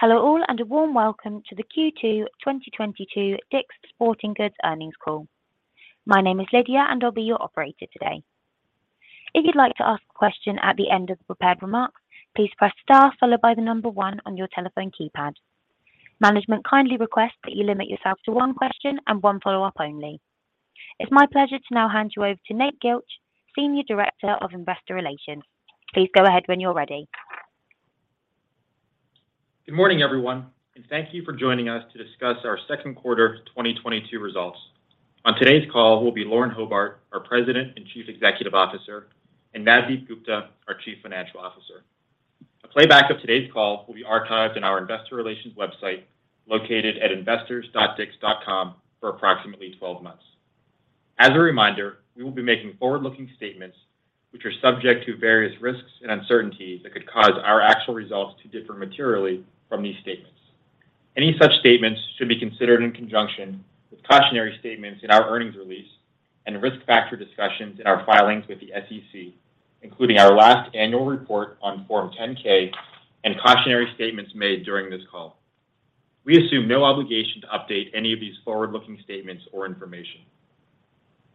Hello all, and a warm welcome to the Q2 2022 DICK'S Sporting Goods earnings call. My name is Lydia, and I'll be your operator today. If you'd like to ask a question at the end of the prepared remarks, please press star followed by the number one on your telephone keypad. Management kindly requests that you limit yourself to one question and one follow-up only. It's my pleasure to now hand you over to Nate Gilch, Senior Director of Investor Relations. Please go ahead when you're ready. Good morning, everyone, and thank you for joining us to discuss our second quarter 2022 results. On today's call will be Lauren Hobart, our President and Chief Executive Officer, and Navdeep Gupta, our Chief Financial Officer. A playback of today's call will be archived in our investor relations website located at investors.dicks.com for approximately 12 months. As a reminder, we will be making forward-looking statements which are subject to various risks and uncertainties that could cause our actual results to differ materially from these statements. Any such statements should be considered in conjunction with cautionary statements in our earnings release and risk factor discussions in our filings with the SEC, including our last annual report on Form 10-K and cautionary statements made during this call. We assume no obligation to update any of these forward-looking statements or information.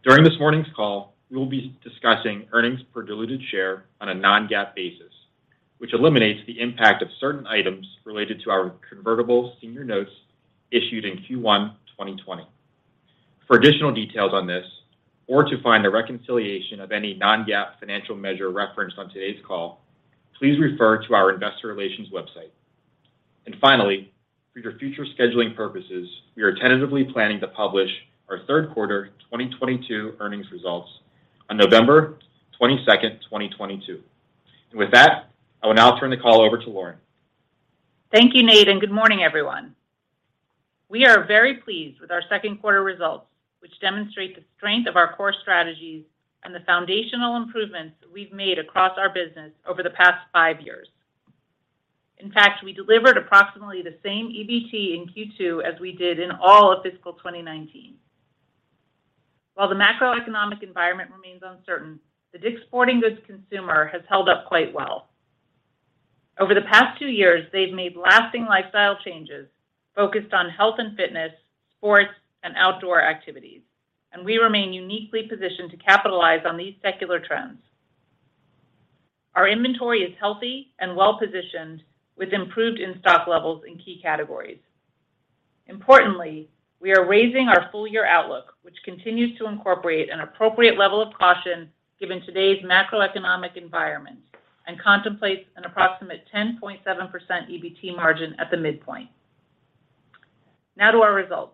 During this morning's call, we will be discussing earnings per diluted share on a non-GAAP basis, which eliminates the impact of certain items related to our convertible senior notes issued in Q1 2020. For additional details on this or to find a reconciliation of any non-GAAP financial measure referenced on today's call, please refer to our investor relations website. Finally, for your future scheduling purposes, we are tentatively planning to publish our third quarter 2022 earnings results on November 22nd, 2022. With that, I will now turn the call over to Lauren. Thank you, Nate, and good morning, everyone. We are very pleased with our second quarter results, which demonstrate the strength of our core strategies and the foundational improvements we've made across our business over the past five years. In fact, we delivered approximately the same EBT in Q2 as we did in all of fiscal 2019. While the macroeconomic environment remains uncertain, the DICK'S Sporting Goods consumer has held up quite well. Over the past two years, they've made lasting lifestyle changes focused on health and fitness, sports, and outdoor activities, and we remain uniquely positioned to capitalize on these secular trends. Our inventory is healthy and well-positioned, with improved in-stock levels in key categories. Importantly, we are raising our full-year outlook, which continues to incorporate an appropriate level of caution given today's macroeconomic environment and contemplates an approximate 10.7% EBT margin at the midpoint. Now to our results.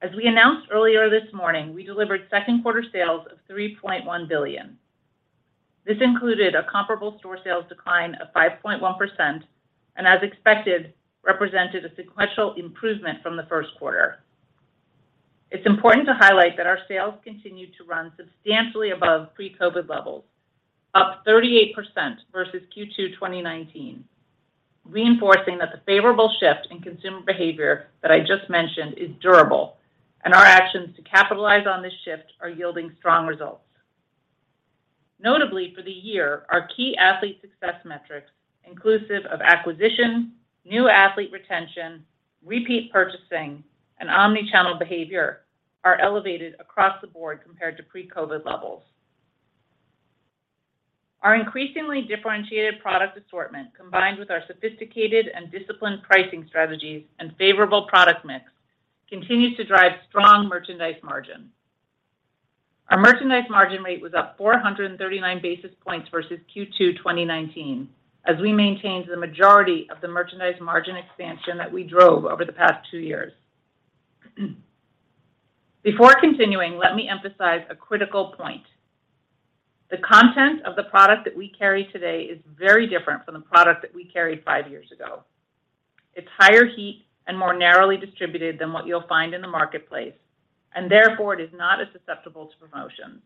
As we announced earlier this morning, we delivered second quarter sales of $3.1 billion. This included a comparable store sales decline of 5.1% and, as expected, represented a sequential improvement from the first quarter. It's important to highlight that our sales continued to run substantially above pre-COVID levels, up 38% versus Q2 2019, reinforcing that the favorable shift in consumer behavior that I just mentioned is durable and our actions to capitalize on this shift are yielding strong results. Notably for the year, our key athlete success metrics, inclusive of acquisition, new athlete retention, repeat purchasing, and omni-channel behavior, are elevated across the board compared to pre-COVID levels. Our increasingly differentiated product assortment, combined with our sophisticated and disciplined pricing strategies and favorable product mix, continues to drive strong merchandise margin. Our merchandise margin rate was up 439 basis points versus Q2 2019 as we maintained the majority of the merchandise margin expansion that we drove over the past two years. Before continuing, let me emphasize a critical point. The content of the product that we carry today is very different from the product that we carried five years ago. It's higher heat and more narrowly distributed than what you'll find in the marketplace, and therefore it is not as susceptible to promotions.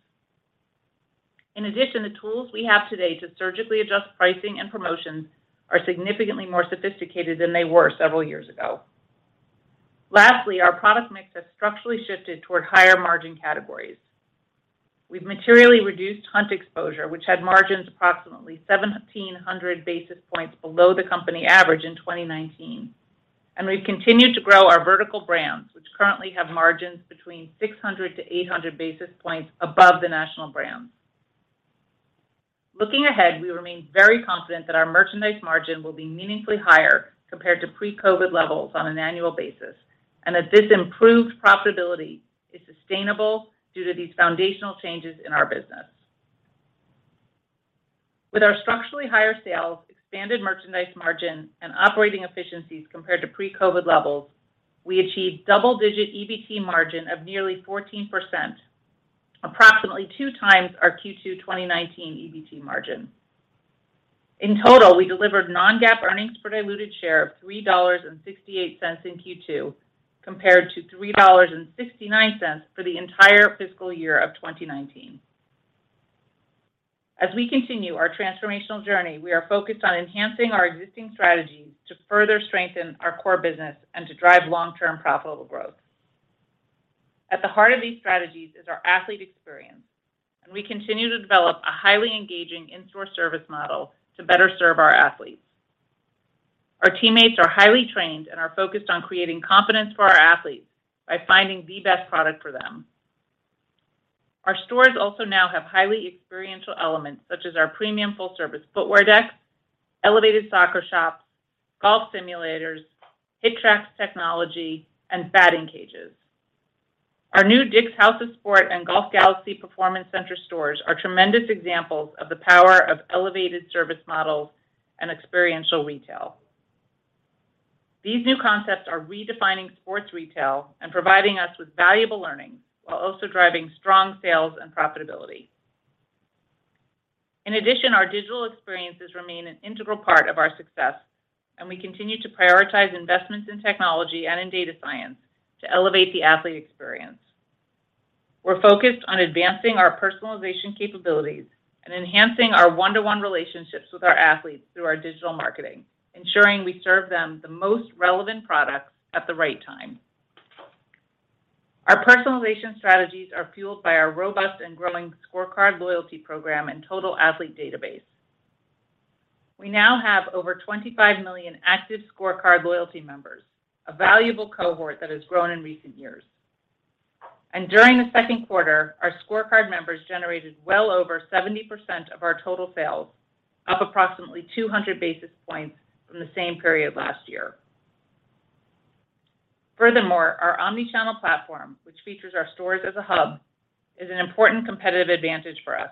In addition, the tools we have today to surgically adjust pricing and promotions are significantly more sophisticated than they were several years ago. Lastly, our product mix has structurally shifted toward higher margin categories. We've materially reduced hunt exposure, which had margins approximately 1,700 basis points below the company average in 2019, and we've continued to grow our vertical brands, which currently have margins between 600-800 basis points above the national brands. Looking ahead, we remain very confident that our merchandise margin will be meaningfully higher compared to pre-COVID levels on an annual basis and that this improved profitability is sustainable due to these foundational changes in our business. With our structurally higher sales, expanded merchandise margin, and operating efficiencies compared to pre-COVID levels, we achieved double-digit EBT margin of nearly 14%, approximately 2x our Q2 2019 EBT margin. In total, we delivered non-GAAP earnings per diluted share of $3.68 in Q2, compared to $3.69 for the entire fiscal year of 2019. As we continue our transformational journey, we are focused on enhancing our existing strategies to further strengthen our core business and to drive long-term profitable growth. At the heart of these strategies is our athlete experience, and we continue to develop a highly engaging in-store service model to better serve our athletes. Our teammates are highly trained and are focused on creating confidence for our athletes by finding the best product for them. Our stores also now have highly experiential elements such as our premium full-service footwear decks, elevated soccer shops, golf simulators, HitTrax technology, and batting cages. Our new DICK'S House of Sport and Golf Galaxy Performance Center stores are tremendous examples of the power of elevated service models and experiential retail. These new concepts are redefining sports retail and providing us with valuable learnings, while also driving strong sales and profitability. In addition, our digital experiences remain an integral part of our success, and we continue to prioritize investments in technology and in data science to elevate the athlete experience. We're focused on advancing our personalization capabilities and enhancing our one-to-one relationships with our athletes through our digital marketing, ensuring we serve them the most relevant products at the right time. Our personalization strategies are fueled by our robust and growing ScoreCard loyalty program and total athlete database. We now have over 25 million active ScoreCard loyalty members, a valuable cohort that has grown in recent years. During the second quarter, our ScoreCard members generated well over 70% of our total sales, up approximately 200 basis points from the same period last year. Furthermore, our omni-channel platform, which features our stores as a hub, is an important competitive advantage for us.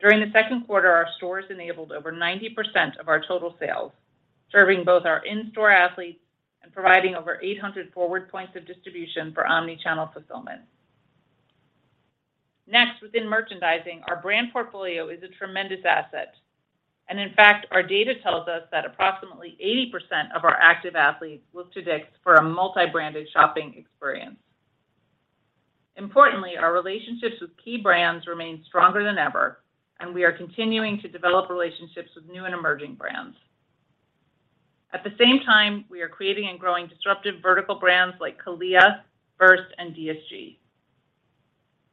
During the second quarter, our stores enabled over 90% of our total sales, serving both our in-store athletes and providing over 800 forward points of distribution for omni-channel fulfillment. Next, within merchandising, our brand portfolio is a tremendous asset. In fact, our data tells us that approximately 80% of our active athletes look to DICK'S for a multi-branded shopping experience. Importantly, our relationships with key brands remain stronger than ever, and we are continuing to develop relationships with new and emerging brands. At the same time, we are creating and growing disruptive vertical brands like CALIA, VRST, and DSG.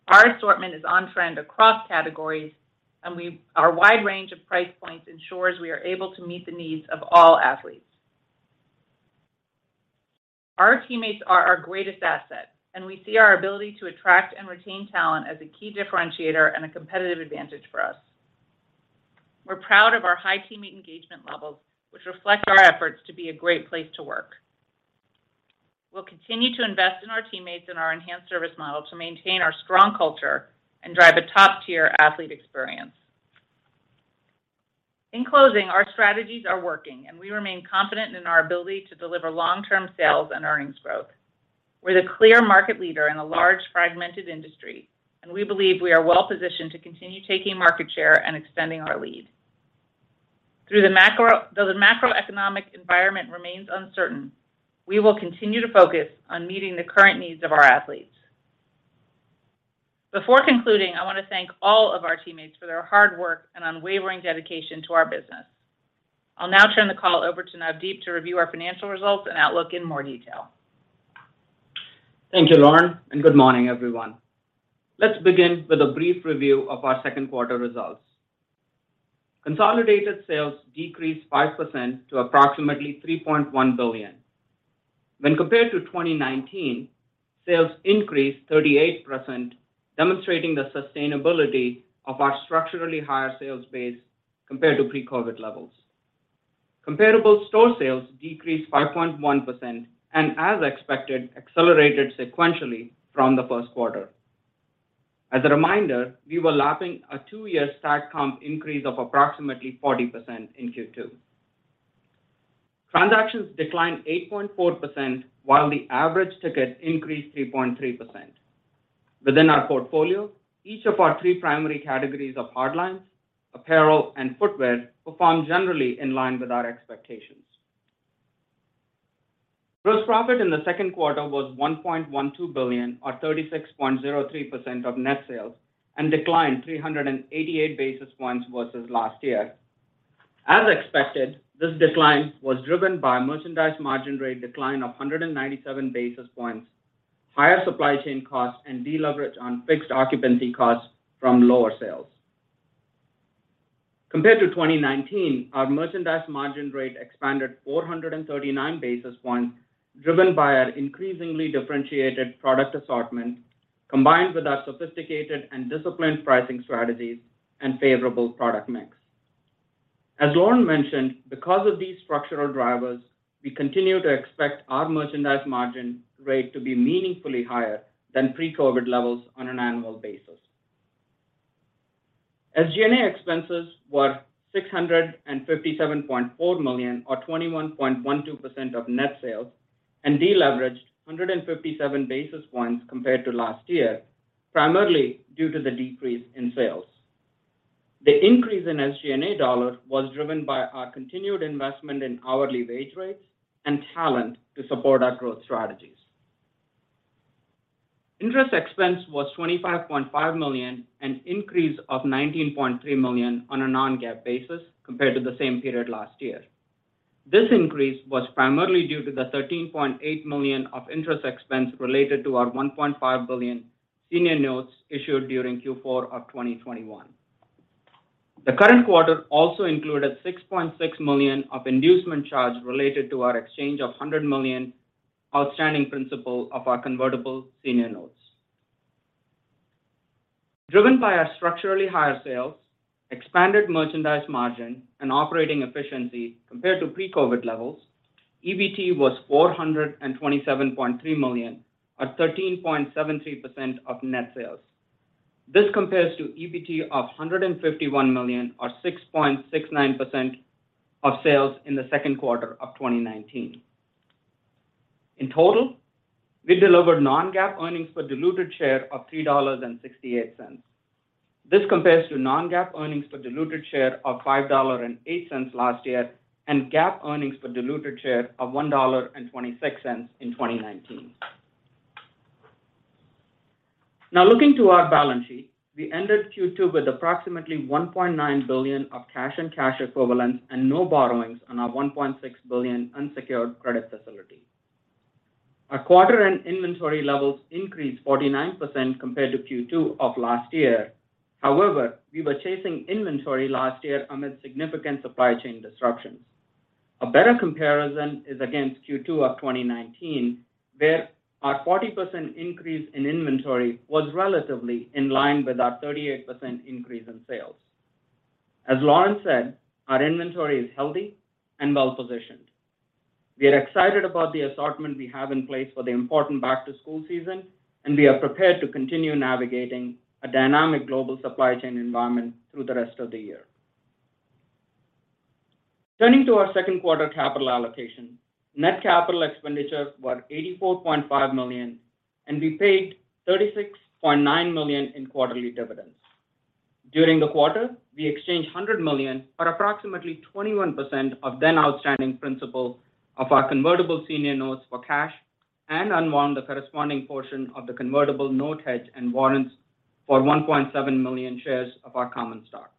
Our assortment is on trend across categories, and our wide range of price points ensures we are able to meet the needs of all athletes. Our teammates are our greatest asset, and we see our ability to attract and retain talent as a key differentiator and a competitive advantage for us. We're proud of our high teammate engagement levels, which reflect our efforts to be a great place to work. We'll continue to invest in our teammates and our enhanced service model to maintain our strong culture and drive a top-tier athlete experience. In closing, our strategies are working, and we remain confident in our ability to deliver long-term sales and earnings growth. We're the clear market leader in a large fragmented industry, and we believe we are well-positioned to continue taking market share and extending our lead. Though the macroeconomic environment remains uncertain, we will continue to focus on meeting the current needs of our athletes. Before concluding, I want to thank all of our teammates for their hard work and unwavering dedication to our business. I'll now turn the call over to Navdeep to review our financial results and outlook in more detail. Thank you, Lauren, and good morning, everyone. Let's begin with a brief review of our second quarter results. Consolidated sales decreased 5% to approximately $3.1 billion. When compared to 2019, sales increased 38%, demonstrating the sustainability of our structurally higher sales base compared to pre-COVID levels. Comparable store sales decreased 5.1%, and as expected, accelerated sequentially from the first quarter. As a reminder, we were lapping a two-year stack comp increase of approximately 40% in Q2. Transactions declined 8.4%, while the average ticket increased 3.3%. Within our portfolio, each of our three primary categories of hard lines, apparel, and footwear performed generally in line with our expectations. Gross profit in the second quarter was $1.12 billion or 36.03% of net sales and declined 388 basis points versus last year. As expected, this decline was driven by a merchandise margin rate decline of 197 basis points, higher supply chain costs, and deleverage on fixed occupancy costs from lower sales. Compared to 2019, our merchandise margin rate expanded 439 basis points, driven by our increasingly differentiated product assortment, combined with our sophisticated and disciplined pricing strategies and favorable product mix. As Lauren mentioned, because of these structural drivers, we continue to expect our merchandise margin rate to be meaningfully higher than pre-COVID levels on an annual basis. SG&A expenses were $657.4 million or 21.12% of net sales and deleveraged 157 basis points compared to last year, primarily due to the decrease in sales. The increase in SG&A dollars was driven by our continued investment in hourly wage rates and talent to support our growth strategies. Interest expense was $25.5 million, an increase of $19.3 million on a non-GAAP basis compared to the same period last year. This increase was primarily due to the $13.8 million of interest expense related to our $1.5 billion senior notes issued during Q4 of 2021. The current quarter also included $6.6 million of inducement charge related to our exchange of $100 million outstanding principal of our convertible senior notes. Driven by our structurally higher sales, expanded merchandise margin, and operating efficiency compared to pre-COVID levels, EBT was $427.3 million, or 13.73% of net sales. This compares to EBT of $151 million, or 6.69% of sales in the second quarter of 2019. In total, we delivered non-GAAP earnings per diluted share of $3.68. This compares to non-GAAP earnings per diluted share of $5.08 last year, and GAAP earnings per diluted share of $1.26 in 2019. Now looking to our balance sheet, we ended Q2 with approximately $1.9 billion of cash and cash equivalents and no borrowings on our $1.6 billion unsecured credit facility. Our quarter-end inventory levels increased 49% compared to Q2 of last year. However, we were chasing inventory last year amid significant supply chain disruptions. A better comparison is against Q2 of 2019, where our 40% increase in inventory was relatively in line with our 38% increase in sales. As Lauren said, our inventory is healthy and well-positioned. We are excited about the assortment we have in place for the important back-to-school season, and we are prepared to continue navigating a dynamic global supply chain environment through the rest of the year. Turning to our second quarter capital allocation, net capital expenditures were $84.5 million, and we paid $36.9 million in quarterly dividends. During the quarter, we exchanged $100 million, or approximately 21% of then outstanding principal of our convertible senior notes for cash and unwound the corresponding portion of the convertible note hedge and warrants for 1.7 million shares of our common stock.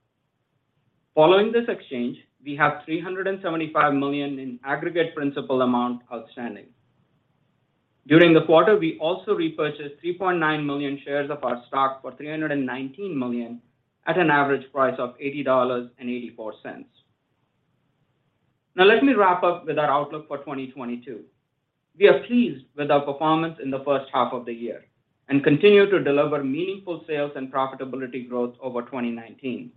Following this exchange, we have $375 million in aggregate principal amount outstanding. During the quarter, we also repurchased 3.9 million shares of our stock for $319 million at an average price of $80.84. Now let me wrap up with our outlook for 2022. We are pleased with our performance in the first half of the year and continue to deliver meaningful sales and profitability growth over 2019.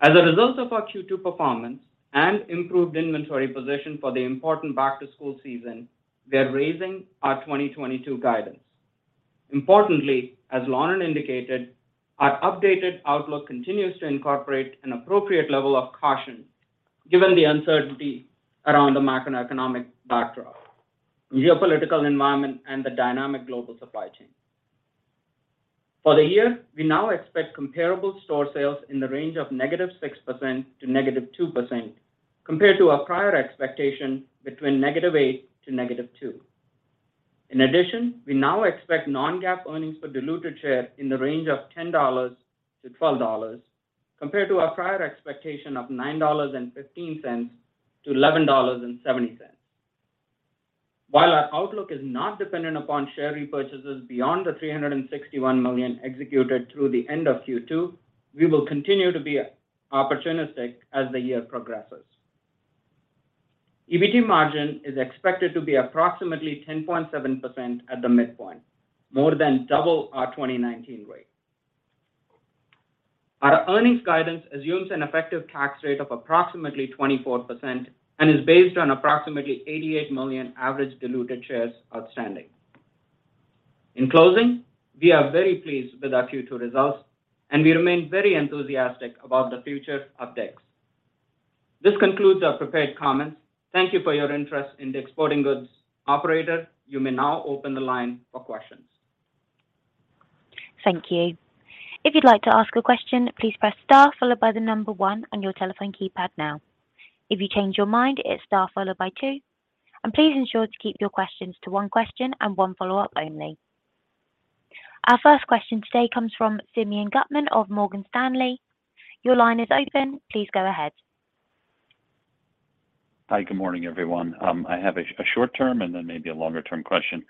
As a result of our Q2 performance and improved inventory position for the important back-to-school season, we are raising our 2022 guidance. Importantly, as Lauren indicated, our updated outlook continues to incorporate an appropriate level of caution given the uncertainty around the macroeconomic backdrop, geopolitical environment, and the dynamic global supply chain. For the year, we now expect comparable store sales in the range of -6% to -2% compared to our prior expectation between -8% to -2%. In addition, we now expect non-GAAP earnings per diluted share in the range of $10-$12 compared to our prior expectation of $9.15-$11.70. While our outlook is not dependent upon share repurchases beyond the $361 million executed through the end of Q2, we will continue to be opportunistic as the year progresses. EBT margin is expected to be approximately 10.7% at the midpoint, more than double our 2019 rate. Our earnings guidance assumes an effective tax rate of approximately 24% and is based on approximately 88 million average diluted shares outstanding. In closing, we are very pleased with our Q2 results, and we remain very enthusiastic about the future of DICK'S. This concludes our prepared comments. Thank you for your interest in DICK'S Sporting Goods. Operator, you may now open the line for questions. Thank you. If you'd like to ask a question, please press star followed by the number one on your telephone keypad now. If you change your mind, it's star followed by two. Please ensure to keep your questions to one question and one follow-up only. Our first question today comes from Simeon Gutman of Morgan Stanley. Your line is open. Please go ahead. Hi, good morning, everyone. I have a short term and then maybe a longer term question.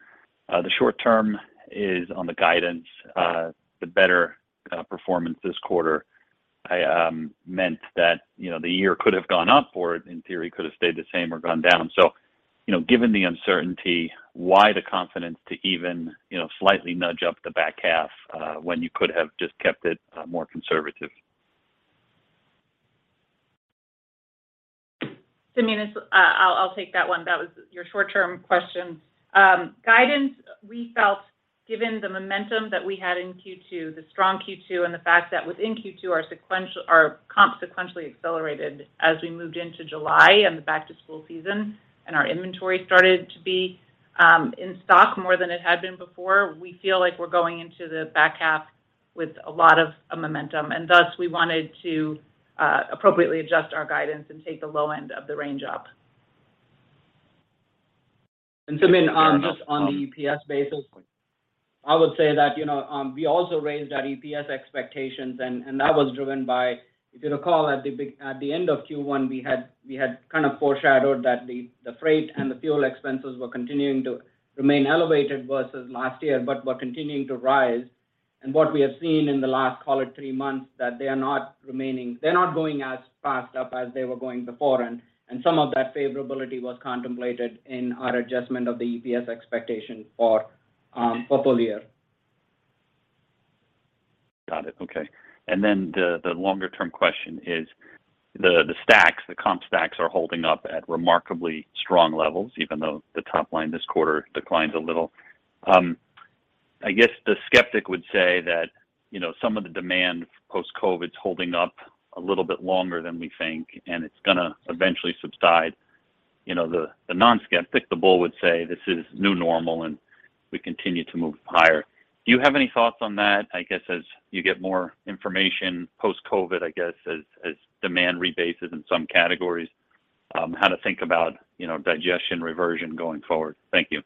The short term is on the guidance, the better performance this quarter meant that, you know, the year could have gone up or it, in theory, could have stayed the same or gone down. You know, given the uncertainty, why the confidence to even, you know, slightly nudge up the back half, when you could have just kept it more conservative? Simeon, I'll take that one. That was your short-term question. Guidance, we felt given the momentum that we had in Q2, the strong Q2, and the fact that within Q2 our comps sequentially accelerated as we moved into July and the back-to-school season and our inventory started to be in stock more than it had been before. We feel like we're going into the back half with a lot of momentum, and thus we wanted to appropriately adjust our guidance and take the low end of the range up. Simeon, just on the EPS basis, I would say that, you know, we also raised our EPS expectations and that was driven by if you recall, at the end of Q1, we had kind of foreshadowed that the freight and the fuel expenses were continuing to remain elevated versus last year, but were continuing to rise. What we have seen in the last, call it three months, that they are not remaining. They're not going as fast up as they were going before, and some of that favorability was contemplated in our adjustment of the EPS expectation for full year. Got it. Okay. The longer-term question is the stacks, the comp stacks are holding up at remarkably strong levels, even though the top line this quarter declined a little. I guess the skeptic would say that, you know, some of the demand post-COVID is holding up a little bit longer than we think, and it's gonna eventually subside. You know, the non-skeptic, the bull would say this is new normal, and we continue to move higher. Do you have any thoughts on that? I guess as you get more information post-COVID, as demand rebases in some categories, how to think about, you know, digestion reversion going forward? Thank you.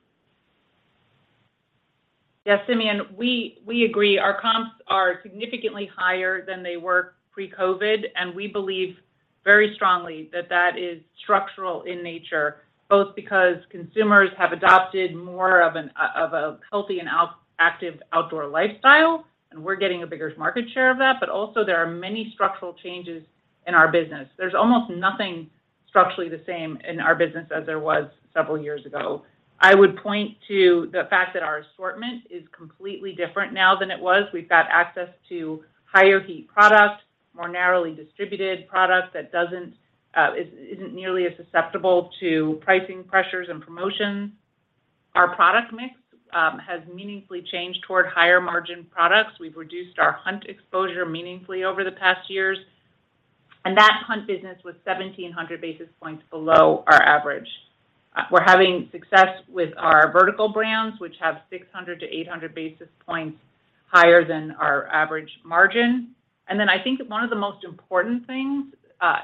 Yeah, Simeon, we agree. Our comps are significantly higher than they were pre-COVID, and we believe very strongly that that is structural in nature, both because consumers have adopted more of a healthy and active outdoor lifestyle, and we're getting a bigger market share of that. Also there are many structural changes in our business. There's almost nothing structurally the same in our business as there was several years ago. I would point to the fact that our assortment is completely different now than it was. We've got access to higher heat product, more narrowly distributed product that isn't nearly as susceptible to pricing pressures and promotions. Our product mix has meaningfully changed toward higher margin products. We've reduced our hunt exposure meaningfully over the past years, and that hunt business was 1,700 basis points below our average. We're having success with our vertical brands, which have 600-800 basis points higher than our average margin. I think one of the most important things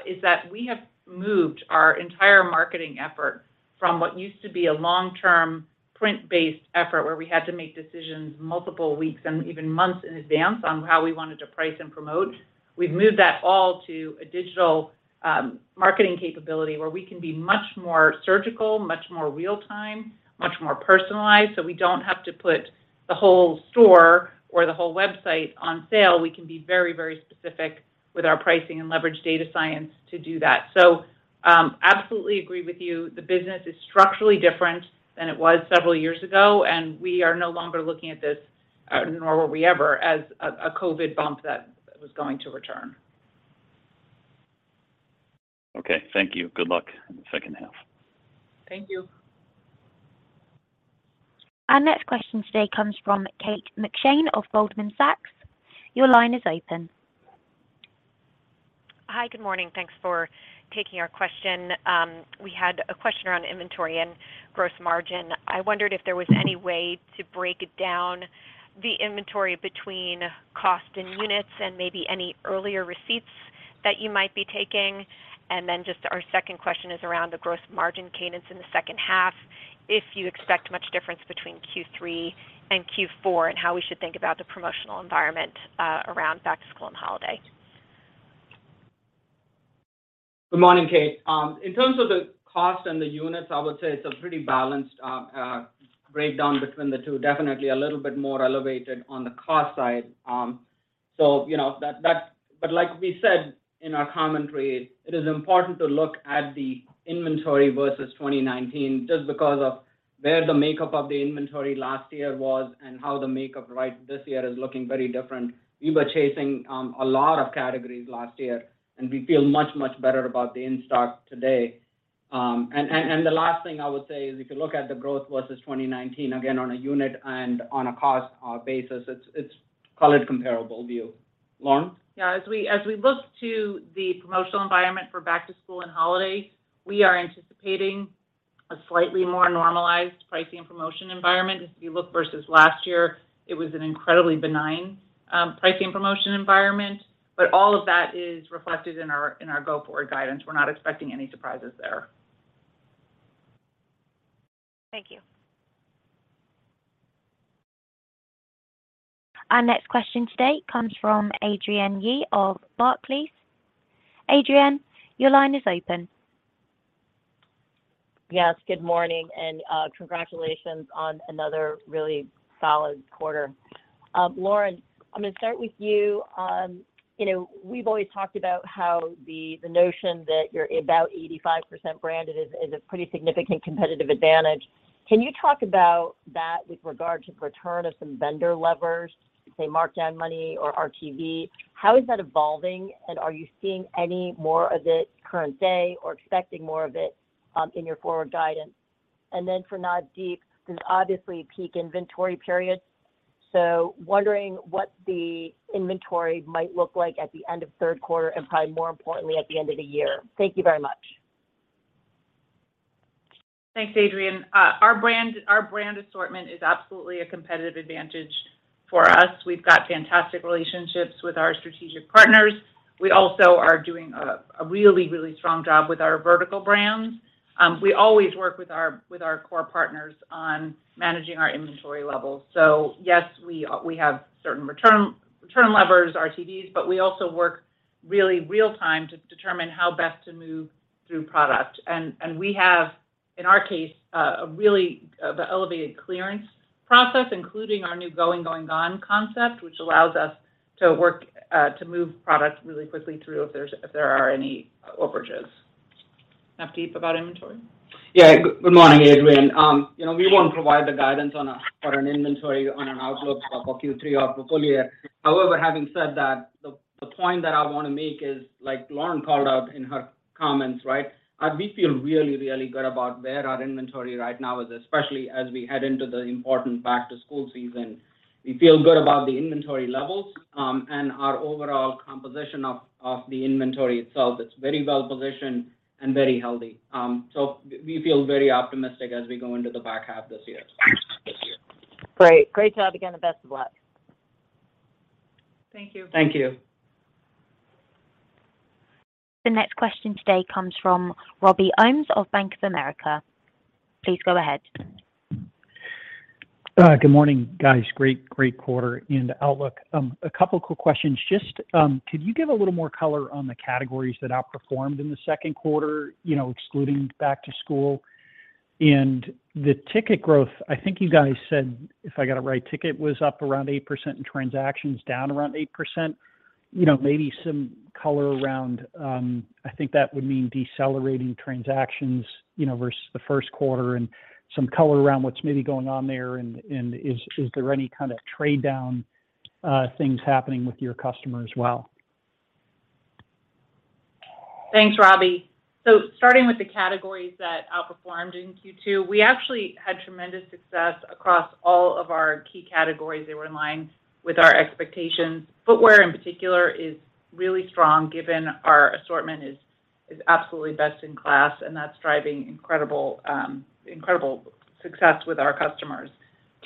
is that we have moved our entire marketing effort from what used to be a long-term print-based effort, where we had to make decisions multiple weeks and even months in advance on how we wanted to price and promote. We've moved that all to a digital marketing capability where we can be much more surgical, much more real time, much more personalized, so we don't have to put the whole store or the whole website on sale. We can be very, very specific with our pricing and leverage data science to do that. Absolutely agree with you. The business is structurally different than it was several years ago, and we are no longer looking at this, nor were we ever, as a COVID bump that was going to return. Okay. Thank you. Good luck in the second half. Thank you. Our next question today comes from Kate McShane of Goldman Sachs. Your line is open. Hi. Good morning. Thanks for taking our question. We had a question around inventory and gross margin. I wondered if there was any way to break down the inventory between cost and units and maybe any earlier receipts that you might be taking? Our second question is around the gross margin cadence in the second half, if you expect much difference between Q3 and Q4, and how we should think about the promotional environment around back to school and holiday? Good morning, Kate. In terms of the cost and the units, I would say it's a pretty balanced breakdown between the two. Definitely a little bit more elevated on the cost side. So you know, that. Like we said in our commentary, it is important to look at the inventory versus 2019 just because of where the makeup of the inventory last year was and how the makeup right this year is looking very different. We were chasing a lot of categories last year, and we feel much better about the in-stock today. And the last thing I would say is if you look at the growth versus 2019, again on a unit and on a cost basis, it's call it comparable view. Lauren? Yeah. As we look to the promotional environment for back to school and holiday, we are anticipating a slightly more normalized pricing and promotion environment. If you look versus last year, it was an incredibly benign pricing promotion environment. All of that is reflected in our go-forward guidance. We're not expecting any surprises there. Thank you. Our next question today comes from Adrienne Yih of Barclays. Adrienne, your line is open. Yes, good morning, and congratulations on another really solid quarter. Lauren, I'm gonna start with you. You know, we've always talked about how the notion that you're about 85% branded is a pretty significant competitive advantage. Can you talk about that with regard to return of some vendor levers, say markdown money or RTV? How is that evolving, and are you seeing any more of it current day or expecting more of it in your forward guidance? Then for Navdeep, this is obviously a peak inventory period, so wondering what the inventory might look like at the end of third quarter and probably more importantly, at the end of the year. Thank you very much. Thanks, Adrienne Yih. Our brand assortment is absolutely a competitive advantage. For us, we've got fantastic relationships with our strategic partners. We also are doing a really strong job with our vertical brands. We always work with our core partners on managing our inventory levels. Yes, we have certain return levers, RTVs, but we also work in real time to determine how best to move through product. We have, in our case, a really elevated clearance process, including our new Going, Gone! concept, which allows us to move products really quickly through if there are any overages. Navdeep Gupta, about inventory? Yeah. Good morning, Adrienne. You know, we won't provide the guidance for an inventory outlook for Q3 or for full year. However, having said that, the point that I wanna make is, like Lauren called out in her comments, right, we feel really good about where our inventory right now is, especially as we head into the important back to school season. We feel good about the inventory levels, and our overall composition of the inventory itself. It's very well positioned and very healthy. So we feel very optimistic as we go into the back half this year. Great job again, and best of luck. Thank you. Thank you. The next question today comes from Robert Ohmes of Bank of America. Please go ahead. Good morning, guys. Great quarter and outlook. A couple quick questions. Just, could you give a little more color on the categories that outperformed in the second quarter, you know, excluding back to school? The ticket growth, I think you guys said, if I got it right, ticket was up around 8% and transactions down around 8%. You know, maybe some color around, I think that would mean decelerating transactions, you know, versus the first quarter and some color around what's maybe going on there and is there any kind of trade down things happening with your customers as well? Thanks, Robbie. Starting with the categories that outperformed in Q2, we actually had tremendous success across all of our key categories. They were in line with our expectations. Footwear in particular is really strong, given our assortment is absolutely best in class, and that's driving incredible success with our customers.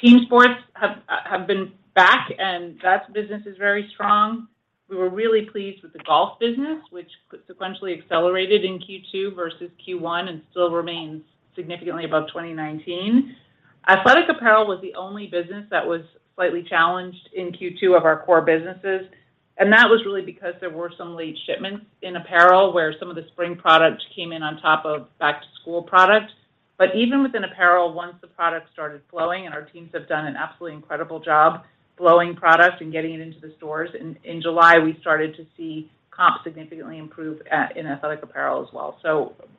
Team sports have been back, and that business is very strong. We were really pleased with the golf business, which sequentially accelerated in Q2 versus Q1 and still remains significantly above 2019. Athletic apparel was the only business that was slightly challenged in Q2 of our core businesses, and that was really because there were some late shipments in apparel where some of the spring products came in on top of back to school products. Even within apparel, once the product started flowing, and our teams have done an absolutely incredible job flowing product and getting it into the stores. In July, we started to see comp significantly improve in athletic apparel as well.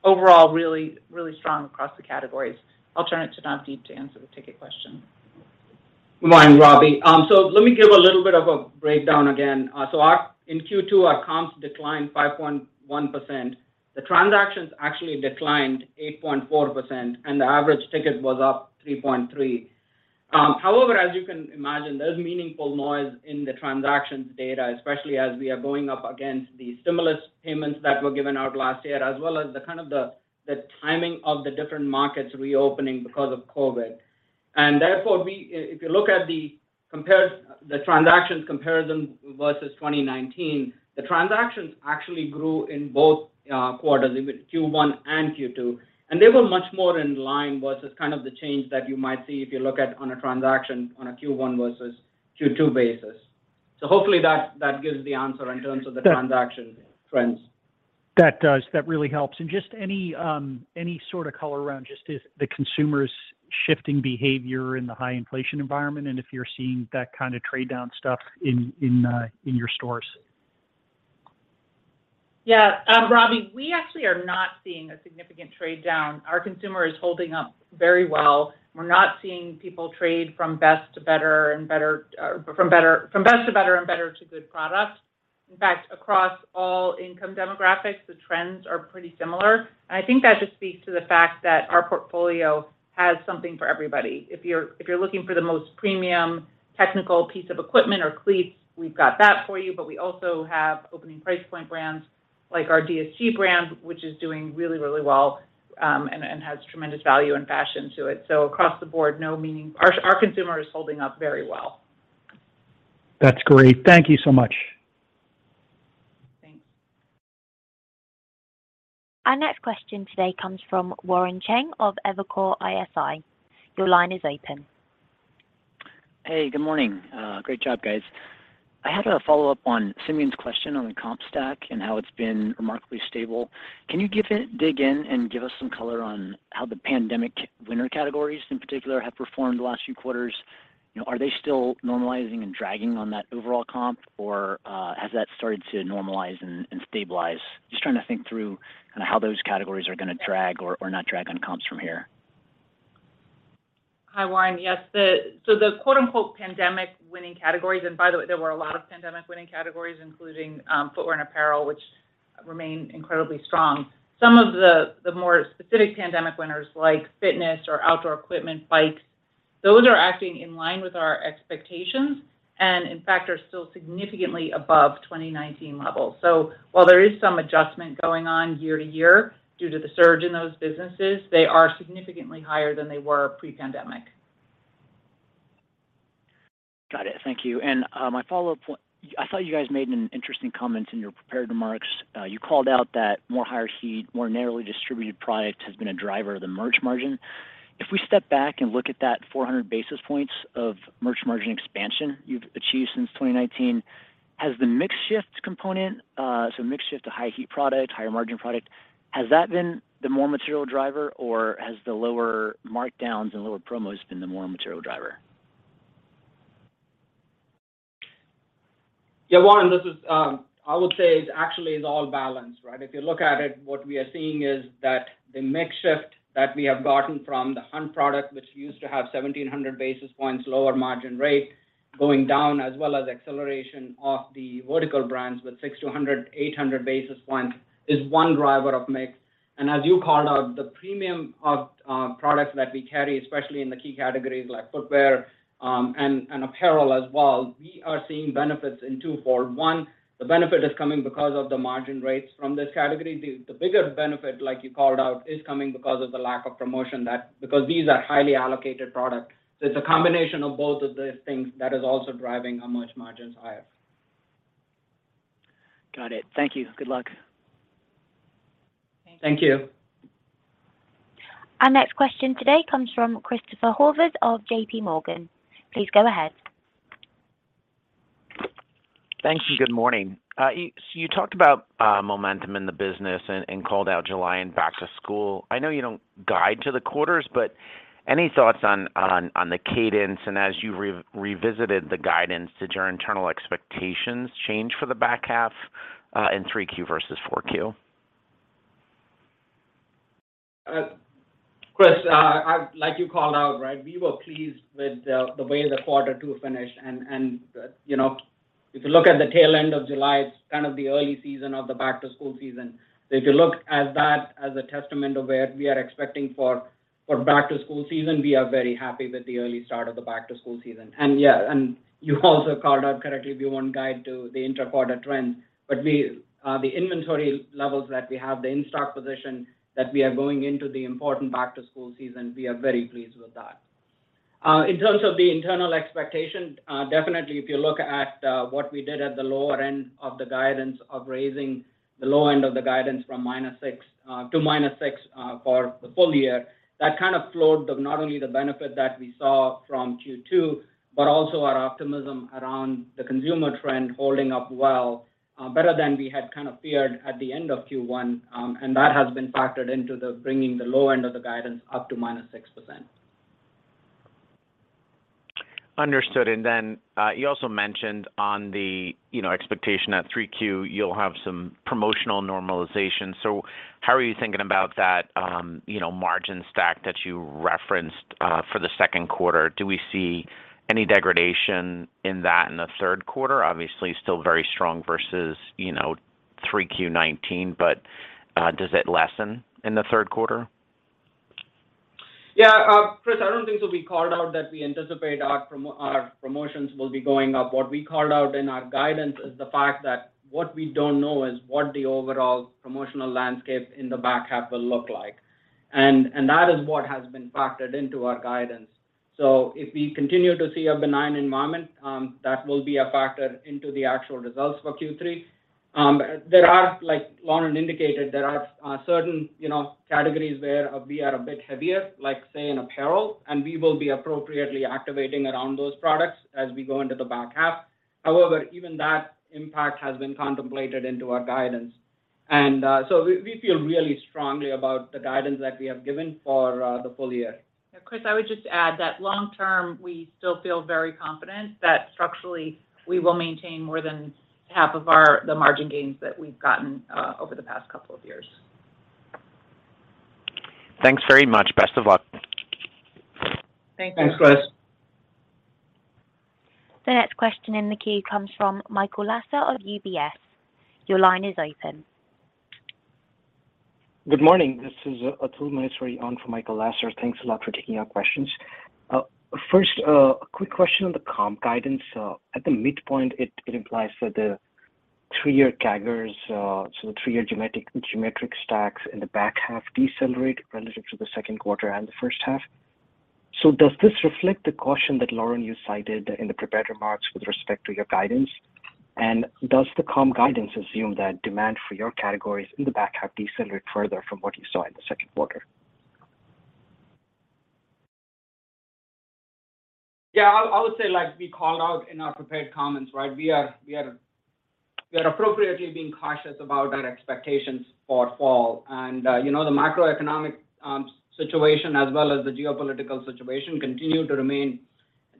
Overall, really, really strong across the categories. I'll turn it to Navdeep to answer the ticket question. Good morning, Robbie. Let me give a little bit of a breakdown again. In Q2, our comps declined 5.1%. The transactions actually declined 8.4%, and the average ticket was up 3.3%. However, as you can imagine, there's meaningful noise in the transactions data, especially as we are going up against the stimulus payments that were given out last year, as well as the kind of the timing of the different markets reopening because of COVID. Therefore, if you look at the transactions comparison versus 2019, the transactions actually grew in both quarters, in Q1 and Q2. They were much more in line versus kind of the change that you might see if you look at on a transaction on a Q1 versus Q2 basis. Hopefully that gives the answer in terms of the transaction trends. That does. That really helps. Just any sort of color around just is the consumers shifting behavior in the high inflation environment, and if you're seeing that kind of trade down stuff in your stores? Yeah. Robert Ohmes, we actually are not seeing a significant trade down. Our consumer is holding up very well. We're not seeing people trade from best to better and better, or from best to better and better to good product. In fact, across all income demographics, the trends are pretty similar. I think that just speaks to the fact that our portfolio has something for everybody. If you're looking for the most premium technical piece of equipment or cleats, we've got that for you. But we also have opening price point brands like our DSG brand, which is doing really well and has tremendous value and fashion to it. So across the board, our consumer is holding up very well. That's great. Thank you so much. Thanks. Our next question today comes from Warren Cheng of Evercore ISI. Your line is open. Hey, good morning. Great job, guys. I had a follow-up on Simeon's question on the comp stack and how it's been remarkably stable. Can you dig in and give us some color on how the pandemic winner categories in particular have performed the last few quarters? You know, are they still normalizing and dragging on that overall comp, or has that started to normalize and stabilize? Just trying to think through kinda how those categories are gonna drag or not drag on comps from here. Hi, Warren. Yes. The quote-unquote pandemic winning categories, and by the way, there were a lot of pandemic winning categories, including, footwear and apparel, which remain incredibly strong. Some of the more specific pandemic winners, like fitness or outdoor equipment, bikes, those are acting in line with our expectations and in fact, are still significantly above 2019 levels. While there is some adjustment going on year to year due to the surge in those businesses, they are significantly higher than they were pre-pandemic. Thank you. I thought you guys made an interesting comment in your prepared remarks. You called out that more higher heat, more narrowly distributed product has been a driver of the merch margin. If we step back and look at that 400 basis points of merch margin expansion you've achieved since 2019, has the mix shift component, so mix shift to high heat product, higher margin product, has that been the more material driver or has the lower markdowns and lower promos been the more material driver? Yeah, Lauren, this is all balanced, right? If you look at it, what we are seeing is that the mix shift that we have gotten from the hunt product, which used to have 1,700 basis points lower margin rate going down, as well as acceleration of the vertical brands with 600-800 basis points is one driver of mix. As you called out, the premium products that we carry, especially in the key categories like footwear and apparel as well, we are seeing benefits twofold. One, the benefit is coming because of the margin rates from this category. The bigger benefit, like you called out, is coming because of the lack of promotion that because these are highly allocated products. It's a combination of both of the things that is also driving our merch margins higher. Got it. Thank you. Good luck. Thank you. Our next question today comes from Christopher Horvers of JPMorgan. Please go ahead. Thank you. Good morning. You talked about momentum in the business and called out July and back to school. I know you don't guide to the quarters, but any thoughts on the cadence and as you revisited the guidance, did your internal expectations change for the back half in 3Q versus 4Q? Chris, like you called out, right, we were pleased with the way the quarter two finished. You know, if you look at the tail end of July, it's kind of the early season of the back to school season. If you look at that as a testament of where we are expecting for back to school season, we are very happy with the early start of the back to school season. Yeah, you also called out correctly, we won't guide to the inter-quarter trend, but the inventory levels that we have, the in-stock position that we are going into the important back to school season, we are very pleased with that. In terms of the internal expectation, definitely if you look at what we did at the lower end of the guidance of raising the low end of the guidance from -6% to -6% for the full year, that kind of flowed from not only the benefit that we saw from Q2, but also our optimism around the consumer trend holding up well better than we had kind of feared at the end of Q1. That has been factored into bringing the low end of the guidance up to -6%. Understood. Then, you also mentioned on the, you know, expectation at 3Q, you'll have some promotional normalization. How are you thinking about that, you know, margin stack that you referenced, for the second quarter? Do we see any degradation in that in the third quarter? Obviously, still very strong versus, you know, 3Q 2019, but, does it lessen in the third quarter? Yeah. Chris, I don't think so. We called out that we anticipate our promotions will be going up. What we called out in our guidance is the fact that what we don't know is what the overall promotional landscape in the back half will look like. That is what has been factored into our guidance. If we continue to see a benign environment, that will be a factor into the actual results for Q3. There are, like Lauren indicated, certain, you know, categories where we are a bit heavier, like say in apparel, and we will be appropriately activating around those products as we go into the back half. However, even that impact has been contemplated into our guidance. We feel really strongly about the guidance that we have given for the full year. Yeah, Chris, I would just add that long term, we still feel very confident that structurally we will maintain more than half of our, the margin gains that we've gotten over the past couple of years. Thanks very much. Best of luck. Thanks. Thanks. Thanks, Chris. The next question in the queue comes from Michael Lasser of UBS. Your line is open. Good morning. This is Atul Maheswari on for Michael Lasser. Thanks a lot for taking our questions. First, a quick question on the comp guidance. At the midpoint it implies that the three-year CAGRs, so the three-year geometric stacks in the back half decelerate relative to the second quarter and the first half. Does this reflect the caution that, Lauren, you cited in the prepared remarks with respect to your guidance? Does the comp guidance assume that demand for your categories in the back half decelerate further from what you saw in the second quarter? Yeah, I would say like we called out in our prepared comments, right, we are appropriately being cautious about our expectations for fall. You know, the macroeconomic situation as well as the geopolitical situation continue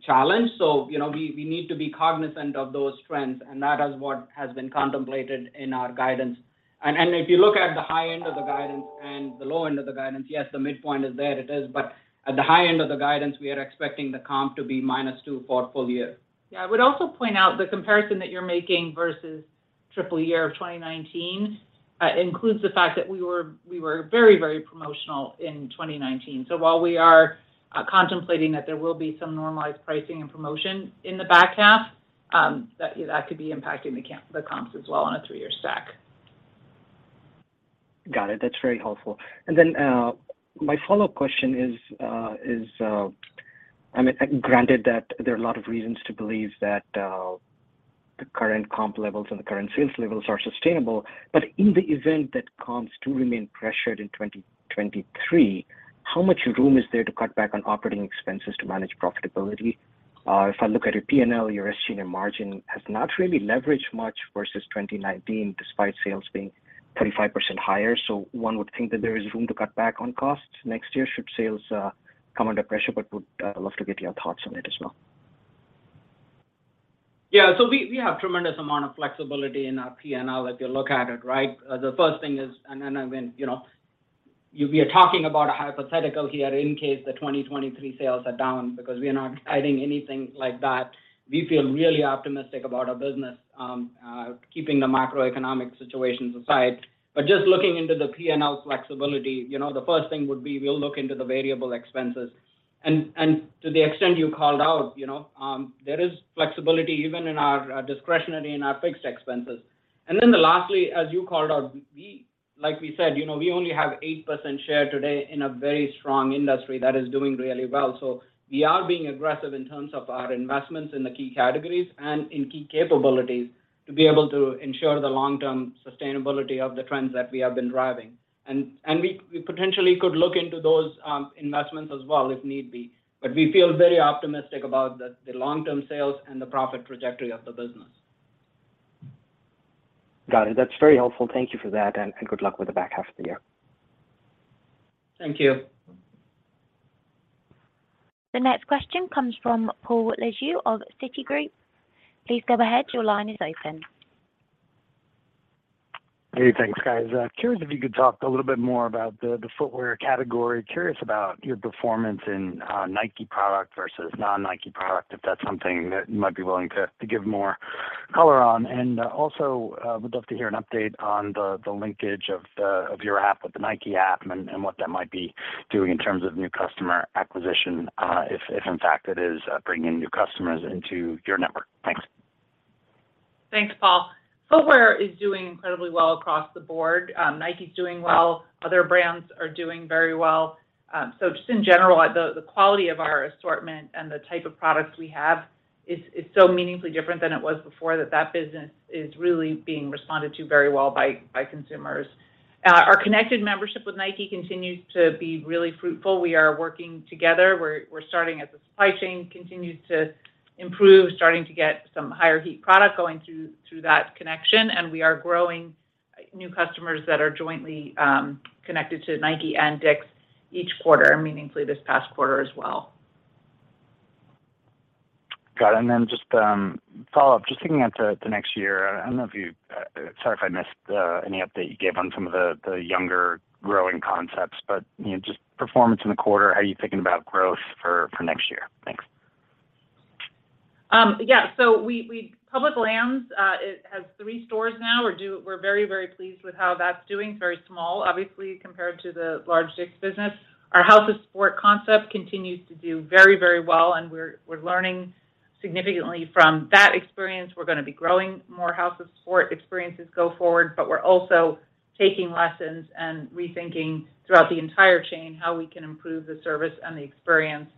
to remain challenged. You know, we need to be cognizant of those trends, and that is what has been contemplated in our guidance. If you look at the high end of the guidance and the low end of the guidance, yes, the midpoint is there. It is. At the high end of the guidance, we are expecting the comp to be -2% for full year. Yeah. I would also point out the comparison that you're making versus three-year of 2019 includes the fact that we were very promotional in 2019. While we are contemplating that there will be some normalized pricing and promotion in the back half, that could be impacting the comps as well on a three-year stack. Got it. That's very helpful. My follow-up question is, I mean, granted that there are a lot of reasons to believe that the current comp levels and the current sales levels are sustainable, but in the event that comps do remain pressured in 2023, how much room is there to cut back on operating expenses to manage profitability? If I look at your P&L, your SG&A margin has not really leveraged much versus 2019 despite sales being 35% higher. One would think that there is room to cut back on costs next year should sales come under pressure, but would love to get your thoughts on it as well. Yeah. We have tremendous amount of flexibility in our P&L, if you look at it, right? The first thing is we are talking about a hypothetical here in case the 2023 sales are down because we are not guiding anything like that. We feel really optimistic about our business, keeping the macroeconomic situations aside. Just looking into the P&L flexibility, you know, the first thing would be we'll look into the variable expenses. To the extent you called out, you know, there is flexibility even in our discretionary and our fixed expenses. Then the lastly, as you called out, we like we said, you know, we only have 8% share today in a very strong industry that is doing really well. We are being aggressive in terms of our investments in the key categories and in key capabilities to be able to ensure the long-term sustainability of the trends that we have been driving. We potentially could look into those investments as well if need be. We feel very optimistic about the long-term sales and the profit trajectory of the business. Got it. That's very helpful. Thank you for that, and good luck with the back half of the year. Thank you. The next question comes from Paul Lejuez of Citigroup. Please go ahead. Your line is open. Hey, thanks, guys. Curious if you could talk a little bit more about the footwear category? Curious about your performance in Nike product versus non-Nike product, if that's something that you might be willing to give more color on? Also, would love to hear an update on the linkage of your app with the Nike app and what that might be doing in terms of new customer acquisition, if in fact it is bringing new customers into your network? Thanks. Thanks, Paul. Footwear is doing incredibly well across the board. Nike is doing well, other brands are doing very well. Just in general, the quality of our assortment and the type of products we have is so meaningfully different than it was before that business is really being responded to very well by consumers. Our connected membership with Nike continues to be really fruitful. We are working together. We're starting as the supply chain continues to improve, starting to get some higher heat product going through that connection, and we are growing new customers that are jointly connected to Nike and DICK'S each quarter, meaningfully this past quarter as well. Got it. Just follow-up, just thinking ahead to next year, I don't know. Sorry if I missed any update you gave on some of the younger growing concepts, but you know, just performance in the quarter, how are you thinking about growth for next year? Thanks. Public Lands, it has three stores now. We're very, very pleased with how that's doing. Very small, obviously, compared to the large DICK'S business. Our House of Sport concept continues to do very, very well, and we're learning significantly from that experience. We're gonna be growing more House of Sport experiences go forward, but we're also taking lessons and rethinking throughout the entire chain how we can improve the service and the experience.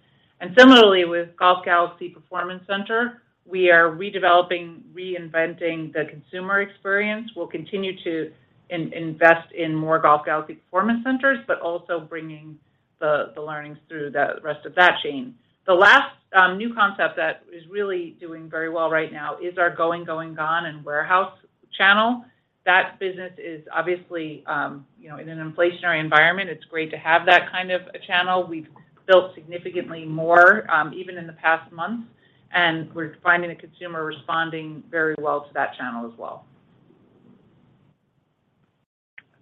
Similarly, with Golf Galaxy Performance Center, we are redeveloping, reinventing the consumer experience. We'll continue to invest in more Golf Galaxy Performance Centers, but also bringing the learnings through the rest of that chain. The last new concept that is really doing very well right now is our Going, Gone and Warehouse channel. That business is obviously, you know, in an inflationary environment. It's great to have that kind of a channel. We've built significantly more, even in the past months, and we're finding the consumer responding very well to that channel as well.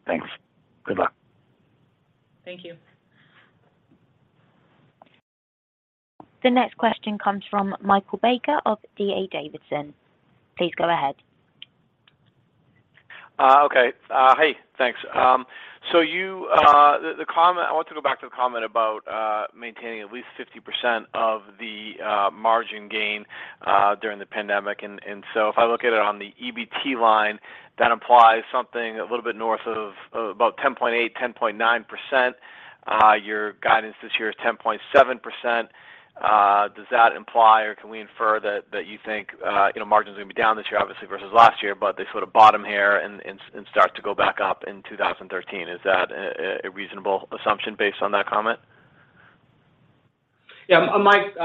Thanks. Good luck. Thank you. The next question comes from Michael Baker of D.A. Davidson. Please go ahead. Okay. Hey, thanks. The comment I want to go back to the comment about maintaining at least 50% of the margin gain during the pandemic. If I look at it on the EBT line, that implies something a little bit north of about 10.8%, 10.9%. Your guidance this year is 10.7%. Does that imply, or can we infer that you think, you know, margin's gonna be down this year, obviously, versus last year, but they sort of bottom here and start to go back up in 2013? Is that a reasonable assumption based on that comment? Yeah. Mike,